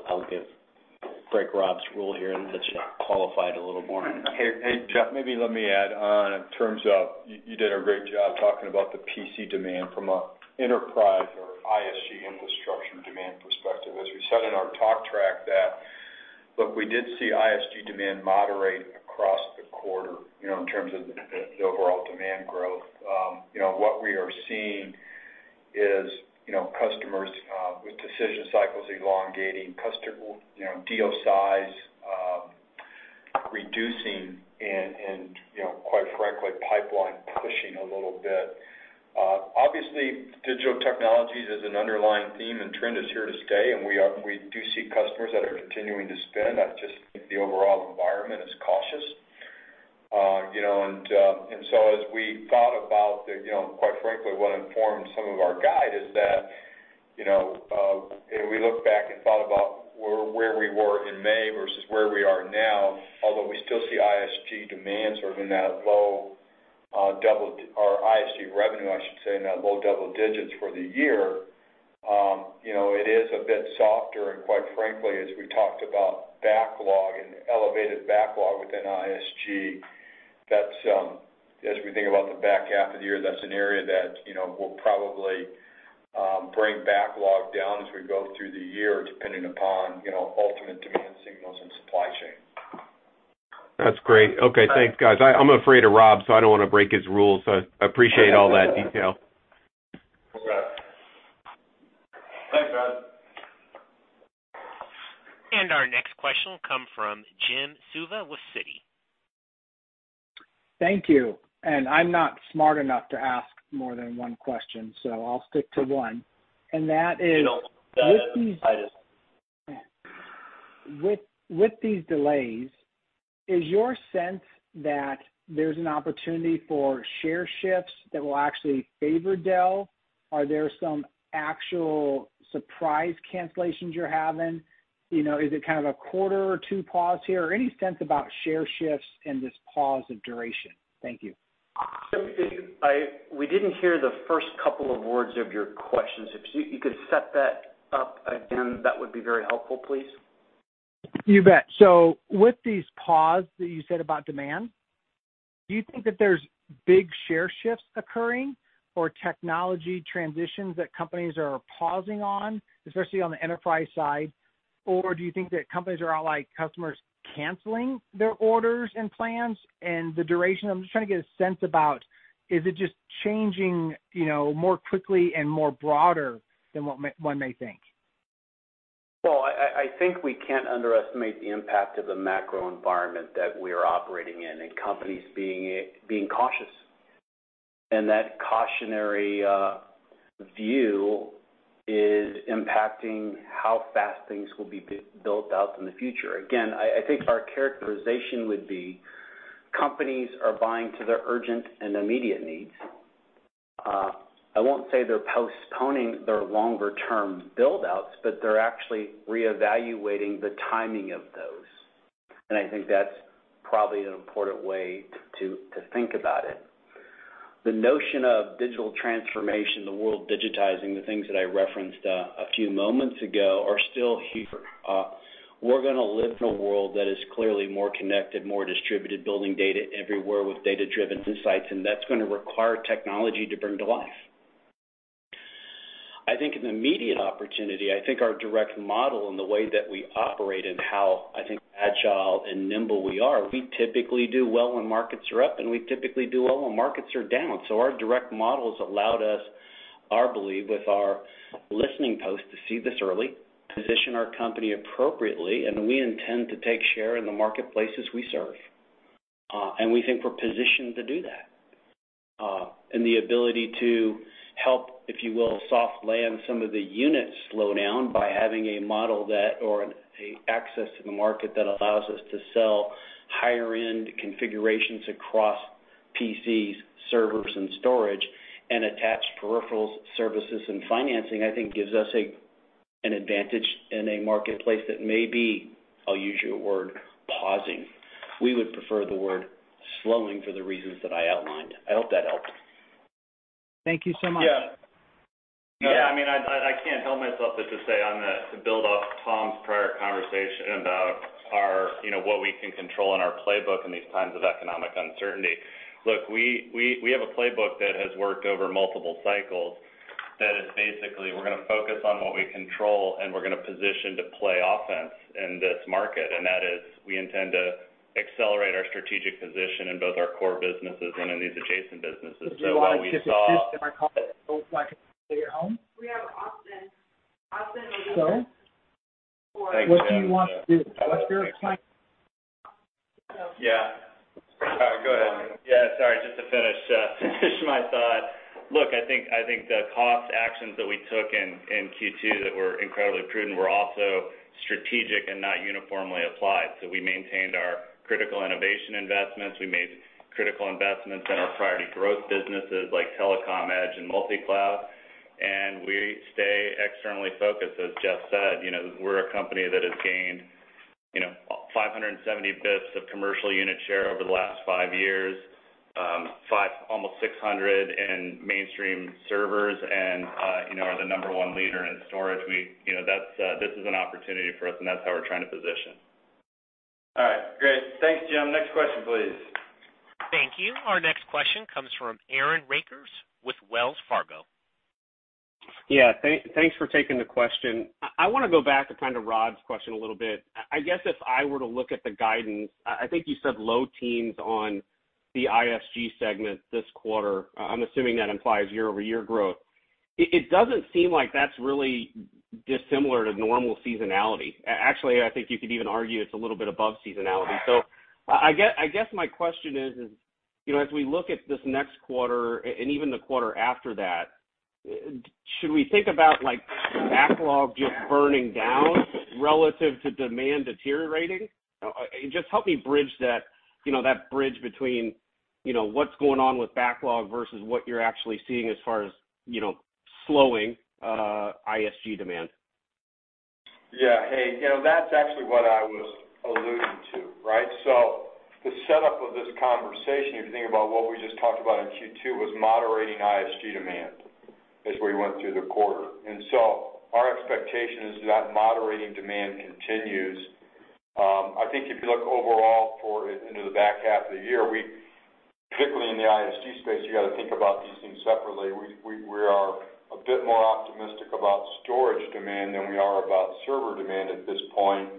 I'll give Rob's rule here and let Chuck qualify it a little more. Hey, Jeff, maybe let me add on in terms of you did a great job talking about the PC demand from an enterprise or ISG infrastructure demand perspective. As we said in our talk track look, we did see ISG demand moderate across the quarter, you know, in terms of the overall demand growth. You know, what we are seeing is, you know, customers with decision cycles elongating, you know, deal size reducing and, you know, quite frankly, pipeline pushing a little bit. Obviously, digital technologies is an underlying theme and trend is here to stay, and we do see customers that are continuing to spend. I just think the overall environment is cautious. You know, as we thought about the, you know, quite frankly, what informed some of our guide is that, you know, and we looked back and thought about where we were in May versus where we are now. Although we still see ISG demand sort of in that low double or ISG revenue, I should say, in that low double digits for the year, you know, it is a bit softer. Quite frankly, as we talked about backlog and elevated backlog within ISG, that's, as we think about the back half of the year, that's an area that, you know, we'll probably bring backlog down as we go through the year, depending upon, you know, ultimate demand signals and supply chain. That's great. Okay. Thanks, guys. I'm afraid of Rob, so I don't wanna break his rules. I appreciate all that detail. All right. Thanks, Rod. Our next question will come from Jim Suva with Citi. Thank you. I'm not smart enough to ask more than one question, so I'll stick to one. That is- No. Go ahead. With these delays, is your sense that there's an opportunity for share shifts that will actually favor Dell? Are there some actual surprise cancellations you're having? You know, is it kind of a quarter or two pause here? Or any sense about share shifts and this pause or duration? Thank you. Jim, we didn't hear the first couple of words of your questions. If you could set that up again, that would be very helpful, please. You bet. With these pauses that you said about demand. Do you think that there's big share shifts occurring or technology transitions that companies are pausing on, especially on the enterprise side? Or do you think that companies are all like customers canceling their orders and plans and the duration? I'm just trying to get a sense about is it just changing, you know, more quickly and more broader than what one may think. Well, I think we can't underestimate the impact of the macro environment that we're operating in, and companies being cautious. That cautionary view is impacting how fast things will be built out in the future. Again, I think our characterization would be companies are buying to their urgent and immediate needs. I won't say they're postponing their longer-term build-outs, but they're actually reevaluating the timing of those. I think that's probably an important way to think about it. The notion of digital transformation, the world digitizing, the things that I referenced a few moments ago are still here. We're gonna live in a world that is clearly more connected, more distributed, building data everywhere with data-driven insights, and that's gonna require technology to bring to life. I think an immediate opportunity, I think our direct model and the way that we operate and how agile and nimble we are, we typically do well when markets are up, and we typically do well when markets are down. Our direct models allowed us, our belief with our listening post, to see this early, position our company appropriately, and we intend to take share in the marketplaces we serve. We think we're positioned to do that. The ability to help, if you will, soft land some of the unit slowdown by having a model access to the market that allows us to sell higher end configurations across PCs, servers, and storage and attach peripherals, services, and financing, I think gives us a, an advantage in a marketplace that may be, I'll use your word, pausing. We would prefer the word slowing for the reasons that I outlined. I hope that helped. Thank you so much. Yeah. Yeah. I mean, I can't help myself but to say to build off Tom's prior conversation about our, you know, what we can control in our playbook in these times of economic uncertainty. Look, we have a playbook that has worked over multiple cycles that is basically we're gonna focus on what we control, and we're gonna position to play offense in this market. That is we intend to accelerate our strategic position in both our core businesses and in these adjacent businesses. While we saw- We have Austin. Austin, are you there? What do you want to do? Thank you. Yeah. All right, go ahead. Yeah, sorry. Just to finish my thought. Look, I think the cost actions that we took in Q2 that were incredibly prudent were also strategic and not uniformly applied. We maintained our critical innovation investments. We made critical investments in our priority growth businesses like telecom, edge, and multi-cloud, and we stay externally focused. As Jeff said, you know, we're a company that has gained, you know, 570 basis points of commercial unit share over the last five years, almost 600 in mainstream servers and, you know, are the number one leader in storage. You know, that's, this is an opportunity for us, and that's how we're trying to position. All right. Great. Thanks, Jim. Next question, please. Thank you. Our next question comes from Aaron Rakers with Wells Fargo. Yeah, thanks for taking the question. I wanna go back to kind of Rod's question a little bit. I guess if I were to look at the guidance, I think you said low teens% on the ISG segment this quarter. I'm assuming that implies year-over-year growth. It doesn't seem like that's really dissimilar to normal seasonality. Actually, I think you could even argue it's a little bit above seasonality. I guess my question is, you know, as we look at this next quarter and even the quarter after that, should we think about, like, backlog just burning down relative to demand deteriorating? Just help me bridge that, you know, that bridge between, you know, what's going on with backlog versus what you're actually seeing as far as, you know, slowing ISG demand. Yeah. Hey, you know, that's actually what I was alluding to, right? The setup of this conversation, if you think about what we just talked about in Q2, was moderating ISG demand as we went through the quarter. Our expectation is that moderating demand continues. I think if you look overall for, into the back half of the year, we typically in the ISG space, you got to think about these things separately. We are a bit more optimistic about storage demand than we are about server demand at this point.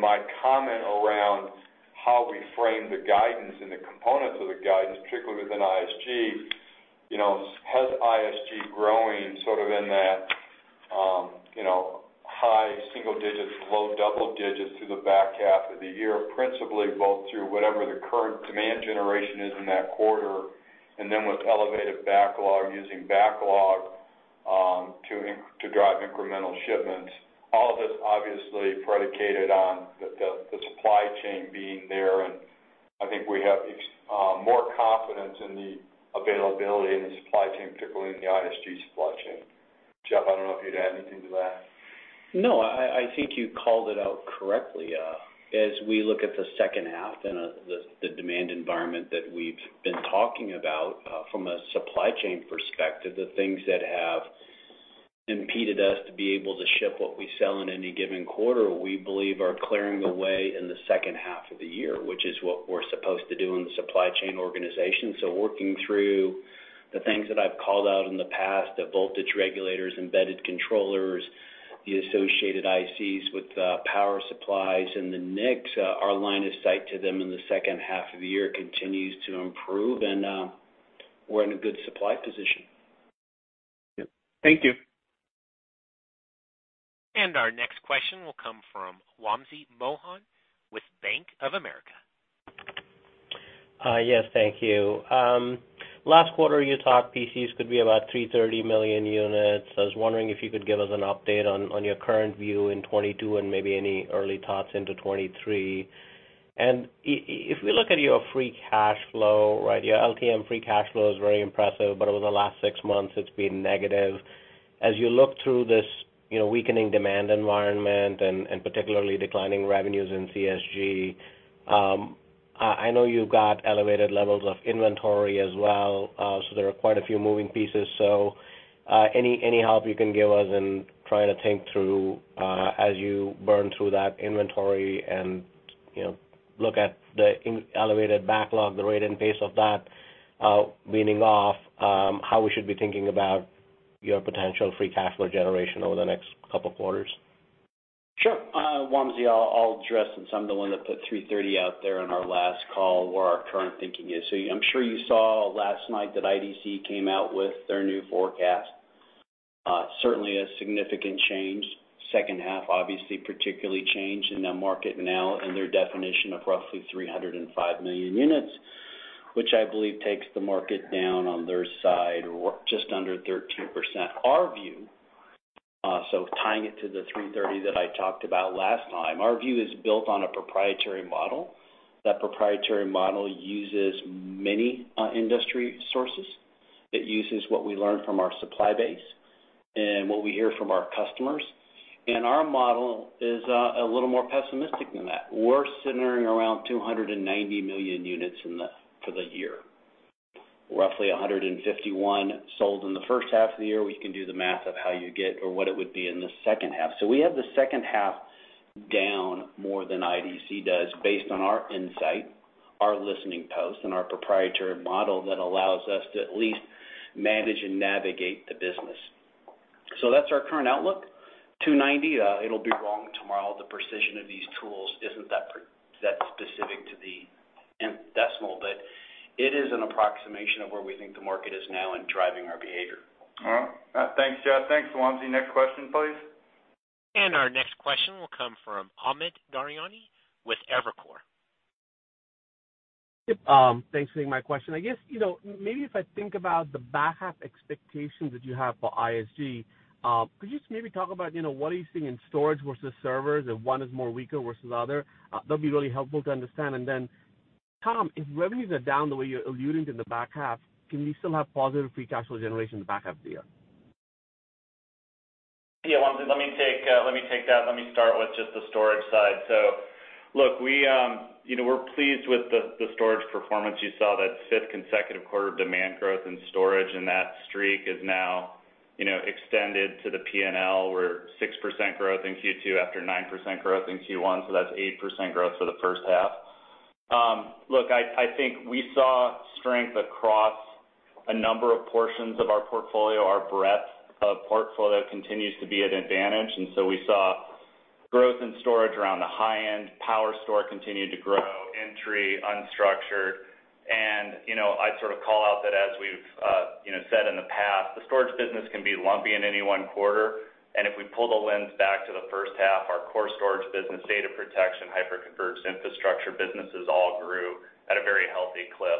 My comment around how we frame the guidance and the components of the guidance, particularly within ISG, you know, has ISG growing sort of in that, you know, high-single-digit to low-double-digit% through the back half of the year, principally both through whatever the current demand generation is in that quarter and then with elevated backlog, using backlog to drive incremental shipments. All of this obviously predicated on the supply chain being there, and I think we have more confidence in the availability and the supply chain, particularly in the ISG supply chain. Jeff, I don't know if you'd add anything to that. No, I think you called it out correctly. As we look at the second half and the demand environment that we've been talking about, from a supply chain perspective, the things that have impeded us to be able to ship what we sell in any given quarter. We believe are clearing the way in the second half of the year, which is what we're supposed to do in the supply chain organization. Working through the things that I've called out in the past, the voltage regulators, embedded controllers, the associated ICs with power supplies and the NICs, our line of sight to them in the second half of the year continues to improve and we're in a good supply position. Yep. Thank you. Our next question will come from Wamsi Mohan with Bank of America. Yes, thank you. Last quarter you talked PCs could be about 330 million units. I was wondering if you could give us an update on your current view in 2022 and maybe any early thoughts into 2023. If we look at your free cash flow, right? Your LTM free cash flow is very impressive, but over the last six months it's been negative. As you look through this, you know, weakening demand environment and particularly declining revenues in CSG, I know you've got elevated levels of inventory as well, so there are quite a few moving pieces. Any help you can give us in trying to think through, as you burn through that inventory and, you know, look at the elevated backlog, the rate and pace of that, weaning off, how we should be thinking about your potential free cash flow generation over the next couple of quarters. Sure. Wamsi, I'll address since I'm the one that put 330 out there on our last call where our current thinking is. I'm sure you saw last night that IDC came out with their new forecast. Certainly a significant change. Second half obviously particularly changed in the market now in their definition of roughly 305 million units, which I believe takes the market down on their side or just under 13%. Our view, tying it to the 330 that I talked about last time, our view is built on a proprietary model. That proprietary model uses many industry sources. It uses what we learn from our supply base and what we hear from our customers. Our model is a little more pessimistic than that. We're centering around 290 million units for the year. Roughly 151 sold in the first half of the year. We can do the math of how you get or what it would be in the second half. We have the second half down more than IDC does based on our insight, our listening posts, and our proprietary model that allows us to at least manage and navigate the business. That's our current outlook. 290, it'll be wrong tomorrow. The precision of these tools isn't that specific to the decimal, but it is an approximation of where we think the market is now in driving our behavior. All right. Thanks, Jeff. Thanks, Wamsi. Next question, please. Our next question will come from Amit Daryanani with Evercore. Yep, thanks for taking my question. I guess, you know, maybe if I think about the back half expectations that you have for ISG, could you just maybe talk about, you know, what are you seeing in storage versus servers, if one is more weaker versus the other? That'd be really helpful to understand. Then, Tom, if revenues are down the way you're alluding to in the back half, can we still have positive free cash flow generation in the back half of the year? Yeah, Wamsi, let me take that. Let me start with just the storage side. Look, we, you know, we're pleased with the storage performance. You saw that fifth consecutive quarter of demand growth in storage, and that streak is now, you know, extended to the P&L. We're 6% growth in Q2 after 9% growth in Q1, so that's 8% growth for the first half. Look, I think we saw strength across a number of portions of our portfolio. Our breadth of portfolio continues to be an advantage, and so we saw growth in storage around the high end. PowerStore continued to grow, entry, unstructured. You know, I'd sort of call out that as we've, you know, said in the past, the storage business can be lumpy in any one quarter. If we pull the lens back to the first half, our core storage business, data protection, hyperconverged infrastructure businesses all grew at a very healthy clip.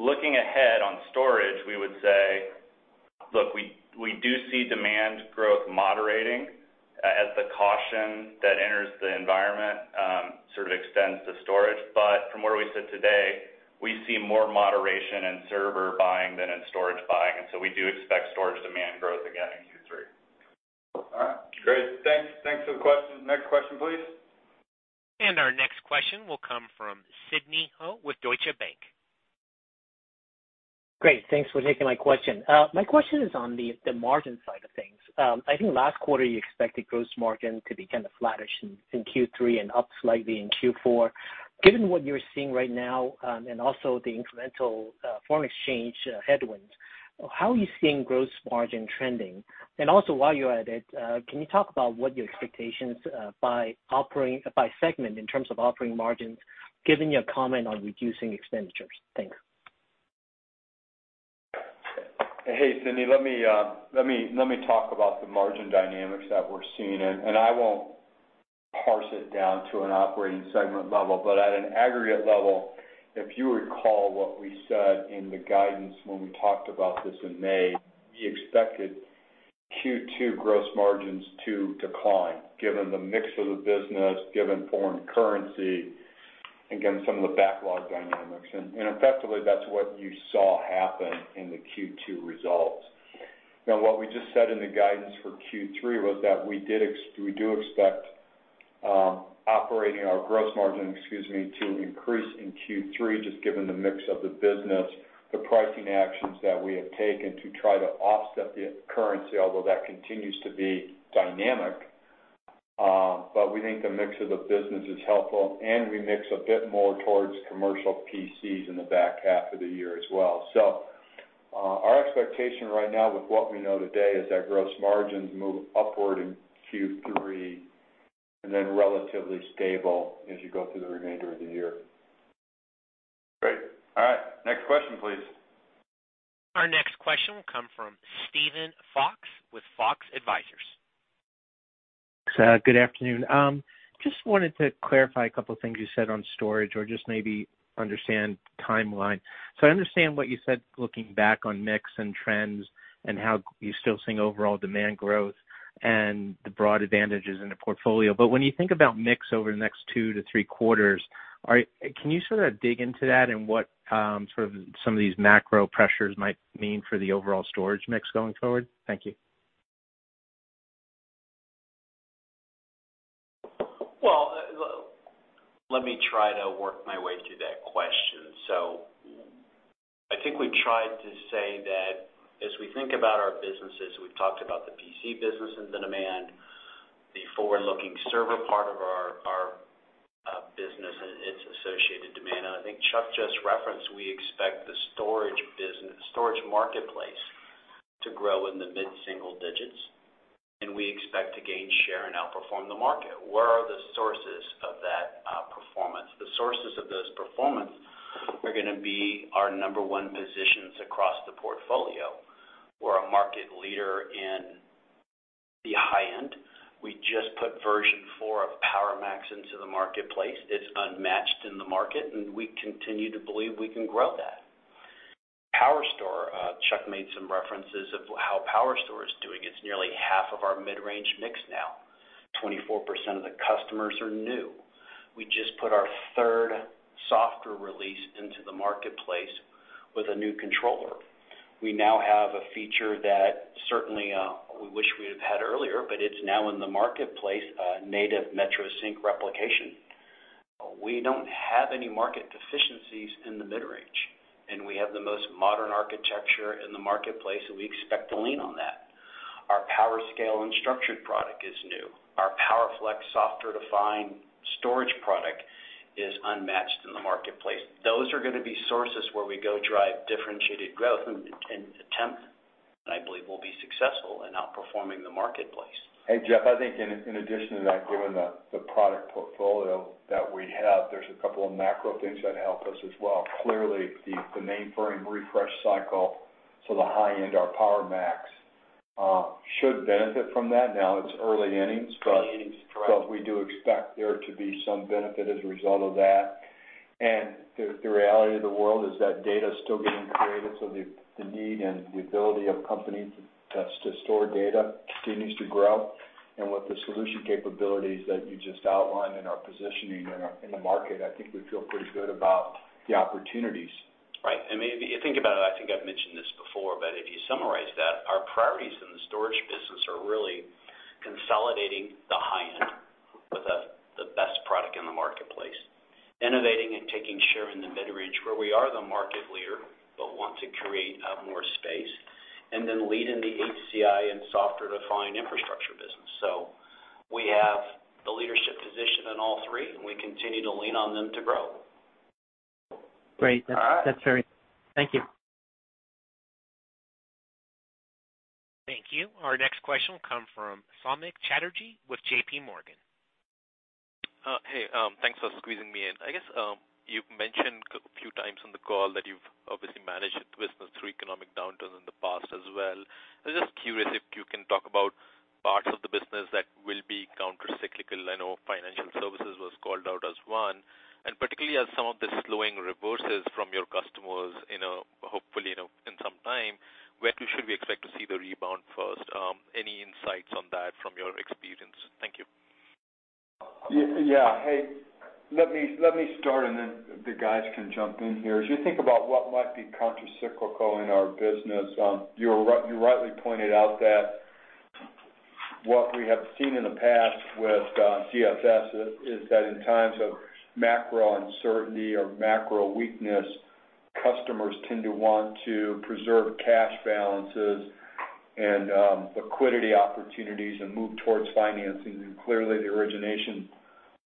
Looking ahead on storage, we would say, look, we do see demand growth moderating, as the caution that enters the environment, sort of extends to storage. From where we sit today, we see more moderation in server buying than in storage buying, and so we do expect storage demand growth again in Q3. All right. Great. Thanks. Thanks for the question. Next question, please. Our next question will come from Sidney Ho with Deutsche Bank. Great. Thanks for taking my question. My question is on the margin side of things. I think last quarter you expected gross margin to be kind of flattish in Q3 and up slightly in Q4. Given what you're seeing right now, and also the incremental foreign exchange headwinds, how are you seeing gross margin trending? Also, while you're at it, can you talk about what your expectations by segment in terms of operating margins, given your comment on reducing expenditures? Thanks. Hey, Sidney, let me talk about the margin dynamics that we're seeing. I won't parse it down to an operating segment level. At an aggregate level, if you recall what we said in the guidance when we talked about this in May, we expected Q2 gross margins to decline given the mix of the business, given foreign currency, again, some of the backlog dynamics. Effectively, that's what you saw happen in the Q2 results. Now, what we just said in the guidance for Q3 was that we do expect our operating gross margin, excuse me, to increase in Q3 just given the mix of the business, the pricing actions that we have taken to try to offset the currency, although that continues to be dynamic. We think the mix of the business is helpful, and we mix a bit more towards commercial PCs in the back half of the year as well. Our expectation right now with what we know today is that gross margins move upward in Q3 and then relatively stable as you go through the remainder of the year. Great. All right. Next question, please. Our next question will come from Steven Fox with Fox Advisors. Sir, good afternoon. Just wanted to clarify a couple of things you said on storage or just maybe understand timeline. I understand what you said looking back on mix and trends and how you're still seeing overall demand growth and the broad advantages in the portfolio. When you think about mix over the next two to three quarters, can you sort of dig into that and what sort of some of these macro pressures might mean for the overall storage mix going forward? Thank you. Well, let me try to work my way through that question. I think we tried to say that as we think about our businesses, we've talked about the PC business and the demand, the forward-looking server part of our business and its associated demand. I think Chuck just referenced, we expect the storage business, storage marketplace to grow in the mid-single digits, and we expect to gain share and outperform the market. Where are the sources of that performance? The sources of this performance are going to be our number one positions across the portfolio. We're a market leader in the high end. We just put version 4 of PowerMax into the marketplace. It's unmatched in the market, and we continue to believe we can grow that. PowerStore, Chuck made some references of how PowerStore is doing. It's nearly half of our mid-range mix now. 24% of the customers are new. We just put our third software release into the marketplace with a new controller. We now have a feature that certainly we wish we had had earlier, but it's now in the marketplace, native Metro Sync replication. We don't have any market deficiencies in the mid-range, and we have the most modern architecture in the marketplace, and we expect to lean on that. Our PowerScale and unstructured product is new. Our PowerFlex software-defined storage product is unmatched in the marketplace. Those are going to be sources where we go drive differentiated growth and attempt, and I believe we'll be successful in outperforming the marketplace. Hey, Jeff, I think in addition to that, given the product portfolio that we have, there's a couple of macro things that help us as well. Clearly, the mainframe refresh cycle, so the high end, our PowerMax, should benefit from that. Now, it's early innings. Early innings, correct. We do expect there to be some benefit as a result of that. The reality of the world is that data is still getting created, so the need and the ability of companies to store data continues to grow. With the solution capabilities that you just outlined in our positioning in the market, I think we feel pretty good about the opportunities. Right. Maybe if you think about it, I think I've mentioned this before, if you summarize that, our priorities in the storage business are really consolidating the high end with the best product in the marketplace, innovating and taking share in the mid-range where we are the market leader, but want to create more space, and then lead in the HCI and software-defined infrastructure business. We have the leadership position in all three, and we continue to lean on them to grow. Great. All right. Thank you. Thank you. Our next question will come from Samik Chatterjee with JPMorgan. Hey, thanks for squeezing me in. I guess, you've mentioned a few times on the call that you've obviously managed the business through economic downturns in the past as well. I was just curious if you can talk about parts of the business that will be countercyclical. I know financial services was called out as one. Particularly as some of the slowing reverses from your customers in a, hopefully, you know, in some time, where should we expect to see the rebound first? Any insights on that from your experience? Thank you. Yeah. Hey, let me start, and then the guys can jump in here. As you think about what might be countercyclical in our business, you're right. You rightly pointed out that what we have seen in the past with DFS is that in times of macro uncertainty or macro weakness, customers tend to want to preserve cash balances and liquidity opportunities and move towards financing. Clearly, the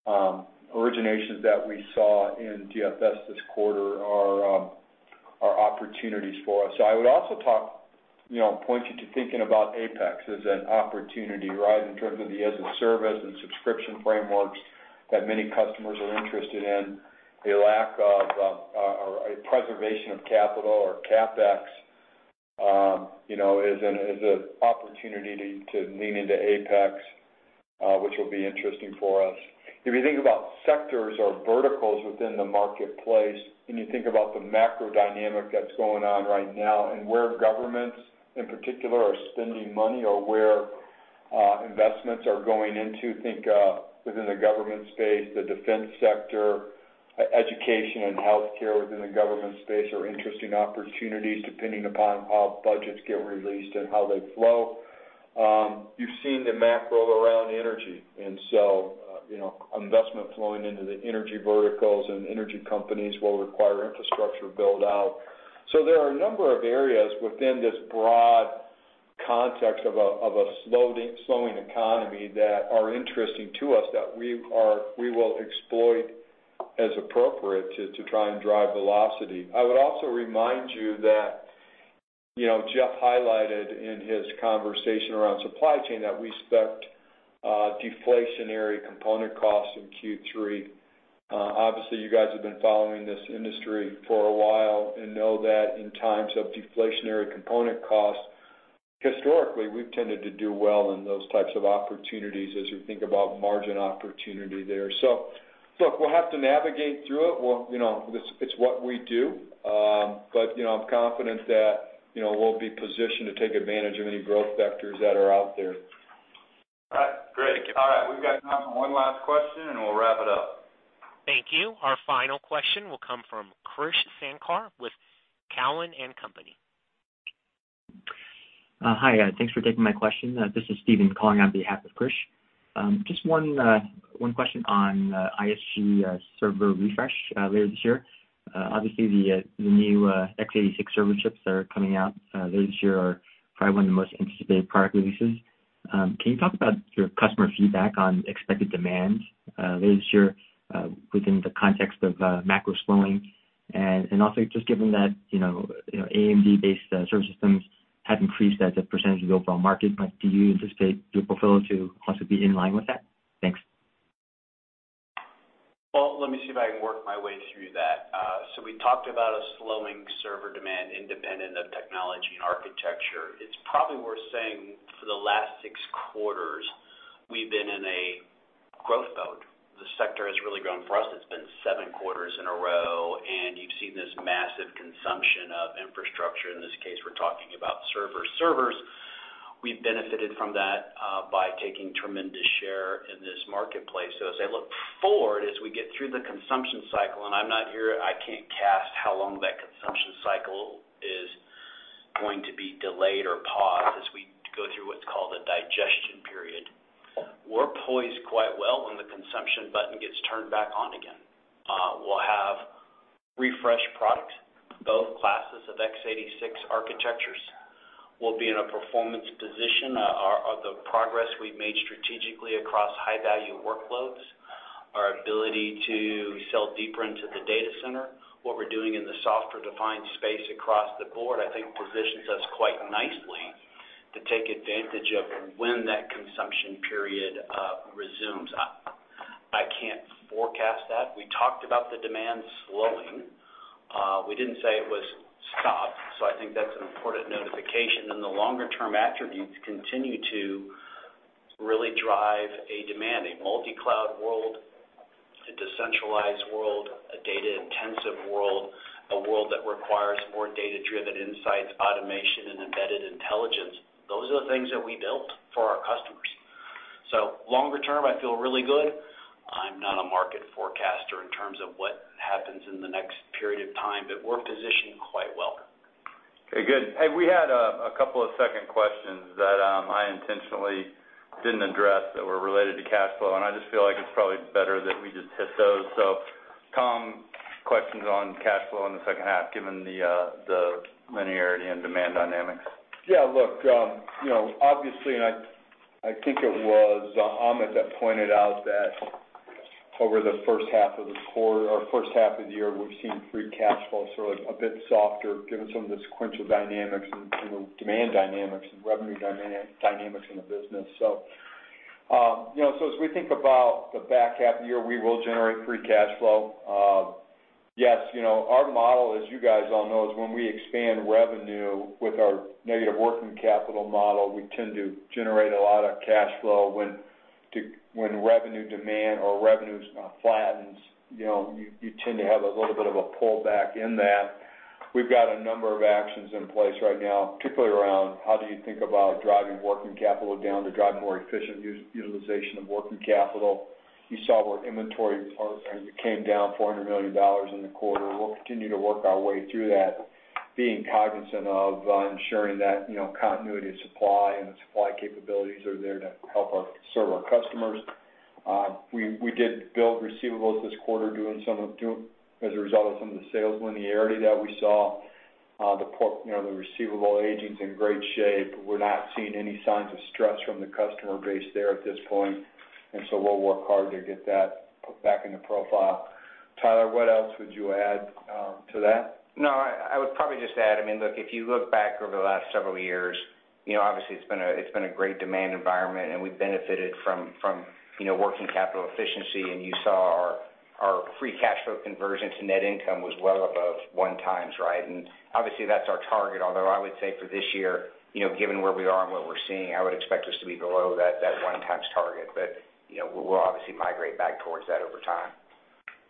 originations that we saw in DFS this quarter are opportunities for us. I would also talk, you know, point you to thinking about APEX as an opportunity, right, in terms of the as-a-service and subscription frameworks that many customers are interested in. The lack of or a preservation of capital or CapEx, you know, is an opportunity to lean into APEX, which will be interesting for us. If you think about sectors or verticals within the marketplace, and you think about the macro dynamic that's going on right now and where governments, in particular, are spending money or where investments are going into within the government space, the defense sector, education and healthcare within the government space are interesting opportunities depending upon how budgets get released and how they flow. You've seen the macro around energy. You know, investment flowing into the energy verticals and energy companies will require infrastructure build out. There are a number of areas within this broad context of a slowing economy that are interesting to us that we will exploit as appropriate to try and drive velocity. I would also remind you that, you know, Jeff highlighted in his conversation around supply chain that we expect deflationary component costs in Q3. Obviously, you guys have been following this industry for a while and know that in times of deflationary component costs, historically, we've tended to do well in those types of opportunities as you think about margin opportunity there. Look, we'll have to navigate through it. We'll, you know, it's what we do. You know, I'm confident that, you know, we'll be positioned to take advantage of any growth vectors that are out there. All right. Great. All right. We've got time for one last question, and we'll wrap it up. Thank you. Our final question will come from Krish Sankar with Cowen and Company. Hi. Thanks for taking my question. This is Steven calling on behalf of Krish. Just one question on ISG server refresh later this year. Obviously, the new X86 server chips that are coming out later this year are probably one of the most anticipated product releases. Can you talk about your customer feedback on expected demand later this year within the context of macro slowing? Also just given that, you know, AMD-based server systems have increased as a percentage of the overall market. Do you anticipate your portfolio to also be in line with that? Thanks. Well, let me see if I can work my way through that. We talked about a slowing server demand independent of technology and architecture. It's probably worth saying for the last six quarters, we've been in a growth mode. The sector has really grown. For us, it's been seven quarters in a row, and you've seen this massive consumption of infrastructure. In this case, we're talking about servers. We've benefited from that by taking tremendous share in this marketplace. As I look forward, as we get through the consumption cycle and I'm not here, I can't cast how long that consumption cycle is going to be delayed or paused as we go through what's called a digestion period. We're poised quite well when the consumption button gets turned back on again. We'll have refreshed products, both classes of X86 architectures. We'll be in a performance position. The progress we've made strategically across high-value workloads, our ability to sell deeper into the data center. What we're doing in the software-defined space across the board, I think, positions us quite nicely to take advantage of when that consumption period resumes. I can't forecast that. We talked about the demand slowing. We didn't say it was stopped, so I think that's an important distinction. The longer-term attributes continue to really drive a demand, a multi-cloud world, a decentralized world, a data-intensive world, a world that requires more data-driven insights, automation, and embedded intelligence. Those are the things that we built for our customers. Longer term, I feel really good. I'm not a market forecaster in terms of what happens in the next period of time, but we're positioned quite well. Okay, good. Hey, we had a couple of second questions that I intentionally didn't address that were related to cash flow, and I just feel like it's probably better that we just hit those. Tom, questions on cash flow in the second half, given the linearity and demand dynamics. Yeah. Look, you know, obviously, I think it was Amit that pointed out that over the first half of the quarter or first half of the year, we've seen free cash flow sort of a bit softer given some of the sequential dynamics and, you know, demand dynamics and revenue dynamics in the business. You know, as we think about the back half of the year, we will generate free cash flow. Yes, you know, our model, as you guys all know, is when we expand revenue with our negative working capital model, we tend to generate a lot of cash flow when revenue demand or revenues flattens, you know, you tend to have a little bit of a pullback in that. We've got a number of actions in place right now, particularly around how do you think about driving working capital down to drive more efficient utilization of working capital. You saw our inventory came down $400 million in the quarter. We'll continue to work our way through that, being cognizant of ensuring that, you know, continuity of supply and the supply capabilities are there to help us serve our customers. We did build receivables this quarter doing as a result of some of the sales linearity that we saw. The portfolio, you know, the receivable aging's in great shape. We're not seeing any signs of stress from the customer base there at this point, and so we'll work hard to get that put back in the profile. TOM, what else would you add to that? No, I would probably just add, I mean, look, if you look back over the last several years, you know, obviously it's been a great demand environment and we've benefited from you know, working capital efficiency. You saw our free cash flow conversion to net income was well above one times, right? Obviously that's our target, although I would say for this year, you know, given where we are and what we're seeing, I would expect us to be below that 1x target. You know, we'll obviously migrate back towards that over time.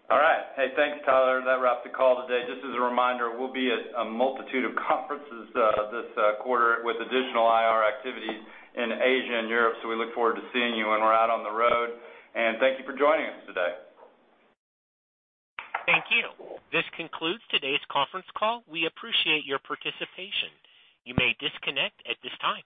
All right. Hey, thanks, Tyler. That wraps the call today. Just as a reminder, we'll be at a multitude of conferences, this quarter with additional IR activities in Asia and Europe. We look forward to seeing you when we're out on the road, and thank you for joining us today. Thank you. This concludes today's conference call. We appreciate your participation. You may disconnect at this time.